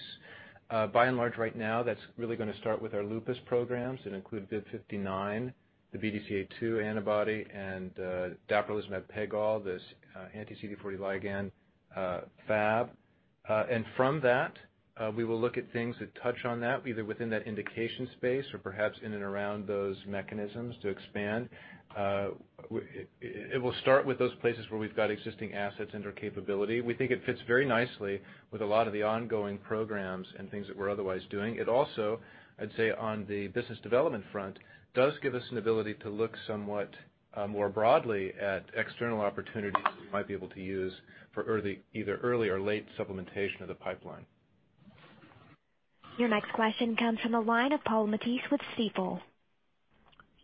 By and large, right now, that's really going to start with our lupus programs that include BIIB059, the BDCA2 antibody, and dapirolizumab pegol, this anti-CD40L Fab. From that, we will look at things that touch on that, either within that indication space or perhaps in and around those mechanisms to expand. It will start with those places where we've got existing assets and/or capability. We think it fits very nicely with a lot of the ongoing programs and things that we're otherwise doing. It also, I'd say on the business development front, does give us an ability to look somewhat more broadly at external opportunities that we might be able to use for either early or late supplementation of the pipeline. Your next question comes from the line of Paul Matteis with Stifel.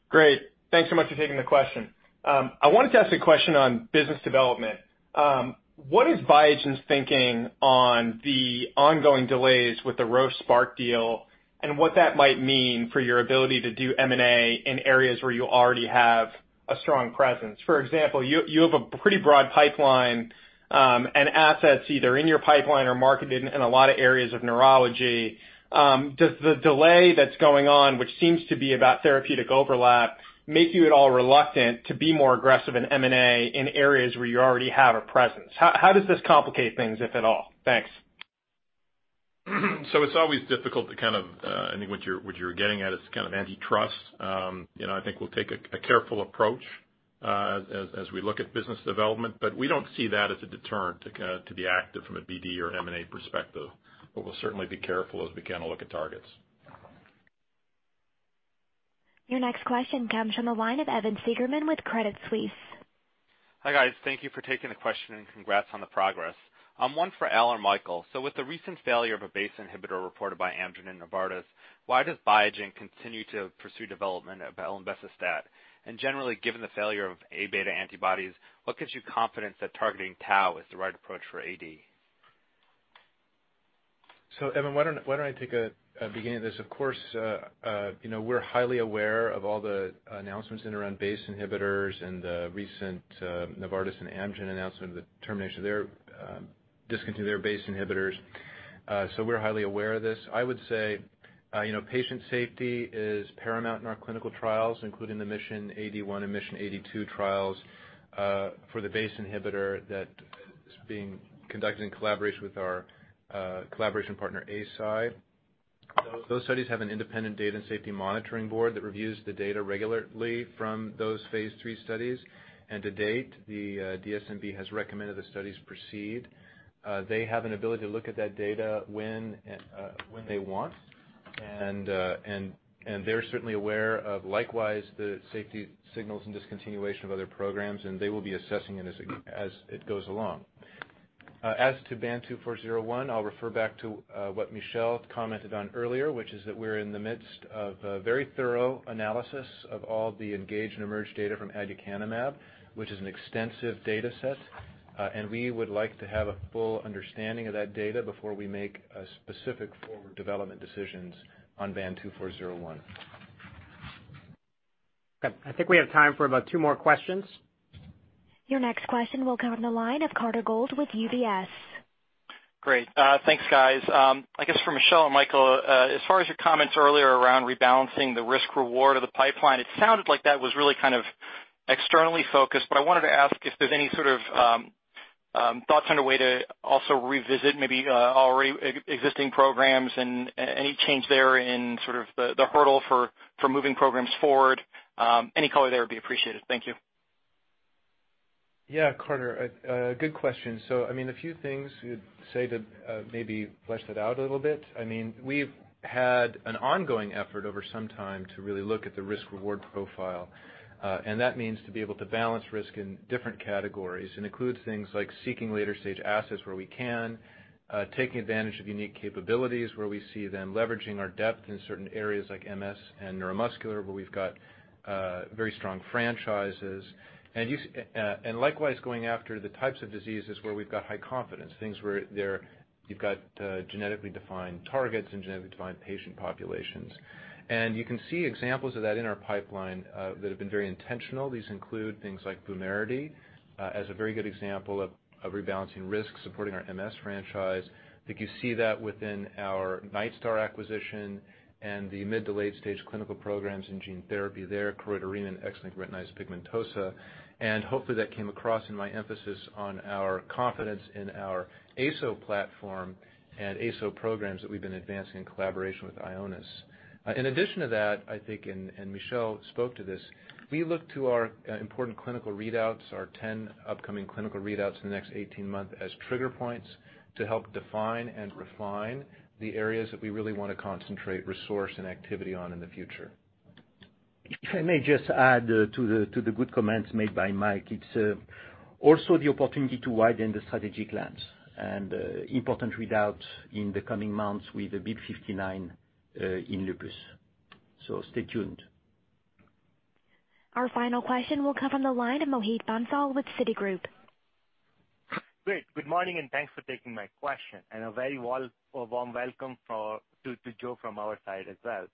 Great. Thanks so much for taking the question. I wanted to ask a question on business development. What is Biogen's thinking on the ongoing delays with the Roche Spark deal and what that might mean for your ability to do M&A in areas where you already have a strong presence? For example, you have a pretty broad pipeline and assets either in your pipeline or marketed in a lot of areas of neurology. Does the delay that's going on, which seems to be about therapeutic overlap, make you at all reluctant to be more aggressive in M&A in areas where you already have a presence? How does this complicate things, if at all? Thanks. It's always difficult to kind of I think what you're getting at is kind of antitrust. I think we'll take a careful approach as we look at business development. We don't see that as a deterrent to be active from a BD or M&A perspective. We'll certainly be careful as we begin to look at targets. Your next question comes from the line of Evan Seigerman with Credit Suisse. Hi, guys. Thank you for taking the question, and congrats on the progress. One for Al or Michael. With the recent failure of a BACE inhibitor reported by Amgen and Novartis, why does Biogen continue to pursue development of elenbecestat? Generally, given the failure of A-beta antibodies, what gives you confidence that targeting tau is the right approach for AD? Evan, why don't I take the beginning of this? Of course, we're highly aware of all the announcements in and around BACE inhibitors and the recent Novartis and Amgen announcement of the termination of their BACE inhibitors. We're highly aware of this. I would say, Patient safety is paramount in our clinical trials, including the MISSION AD1 and MISSION AD2 trials for the BACE inhibitor that is being conducted in collaboration with our collaboration partner, Eisai. Those studies have an independent data and safety monitoring board that reviews the data regularly from those phase III studies. To date, the DSMB has recommended the studies proceed. They have an ability to look at that data when they want. They're certainly aware of likewise the safety signals and discontinuation of other programs, and they will be assessing it as it goes along. As to BAN2401, I'll refer back to what Michel commented on earlier, which is that we're in the midst of a very thorough analysis of all the ENGAGE and EMERGE data from aducanumab, which is an extensive data set. We would like to have a full understanding of that data before we make specific forward development decisions on BAN2401. Okay. I think we have time for about two more questions. Your next question will come on the line of Carter Gould with UBS. Great. Thanks, guys. I guess for Michel and Michael, as far as your comments earlier around rebalancing the risk-reward of the pipeline, it sounded like that was really kind of externally focused. I wanted to ask if there's any sort of thoughts on a way to also revisit maybe already existing programs and any change there in sort of the hurdle for moving programs forward. Any color there would be appreciated. Thank you. Yeah, Carter, good question. A few things you'd say to maybe flesh that out a little bit. We've had an ongoing effort over some time to really look at the risk-reward profile. That means to be able to balance risk in different categories, and includes things like seeking later-stage assets where we can, taking advantage of unique capabilities where we see them leveraging our depth in certain areas like MS and neuromuscular, where we've got very strong franchises. Likewise, going after the types of diseases where we've got high confidence. Things where you've got genetically defined targets and genetically defined patient populations. You can see examples of that in our pipeline that have been very intentional. These include things like VUMERITY as a very good example of rebalancing risk, supporting our MS franchise. I think you see that within our Nightstar acquisition and the mid to late-stage clinical programs in gene therapy there, choroideremia and X-linked retinitis pigmentosa. Hopefully, that came across in my emphasis on our confidence in our ASO platform and ASO programs that we've been advancing in collaboration with Ionis. In addition to that, I think, and Michel spoke to this, we look to our important clinical readouts, our 10 upcoming clinical readouts in the next 18 months, as trigger points to help define and refine the areas that we really want to concentrate resource and activity on in the future. If I may just add to the good comments made by Mike. It's also the opportunity to widen the strategic lens, and important readouts in the coming months with BIIB059 in lupus. Stay tuned. Our final question will come on the line of Mohit Bansal with Citigroup. Great. Good morning, and thanks for taking my question. A very warm welcome to Joe from our side as well.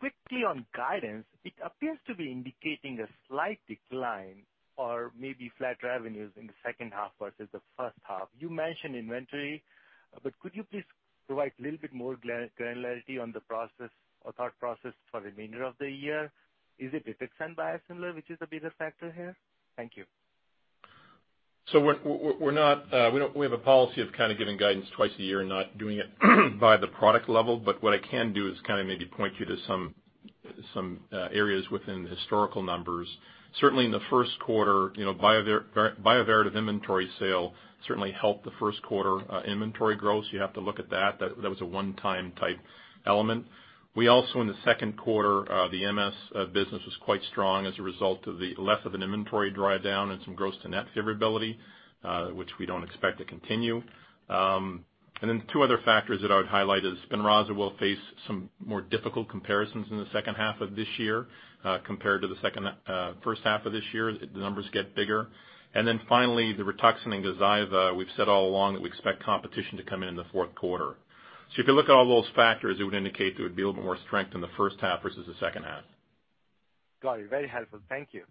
Quickly on guidance. It appears to be indicating a slight decline or maybe flat revenues in the second half versus the first half. You mentioned inventory, but could you please provide a little bit more granularity on the process or thought process for the remainder of the year? Is it RITUXAN biosimilar which is a bigger factor here? Thank you. We have a policy of kind of giving guidance twice a year and not doing it by the product level. What I can do is kind of maybe point you to some areas within the historical numbers. Certainly in the first quarter, Bioverativ inventory sale certainly helped the first quarter inventory growth. You have to look at that. That was a one-time type element. We also in the second quarter, the MS business was quite strong as a result of the less of an inventory drawdown and some gross to net favorability, which we don't expect to continue. Two other factors that I would highlight is SPINRAZA will face some more difficult comparisons in the second half of this year compared to the first half of this year. The numbers get bigger. Finally, the RITUXAN and GAZYVA, we've said all along that we expect competition to come in in the fourth quarter. If you look at all those factors, it would indicate there would be a little more strength in the first half versus the second half. Got it. Very helpful. Thank you.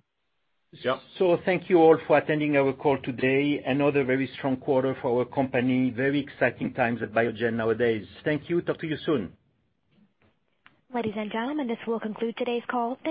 Yep. Thank you all for attending our call today. Another very strong quarter for our company. Very exciting times at Biogen nowadays. Thank you. Talk to you soon. Ladies and gentlemen, this will conclude today's call. Thank you.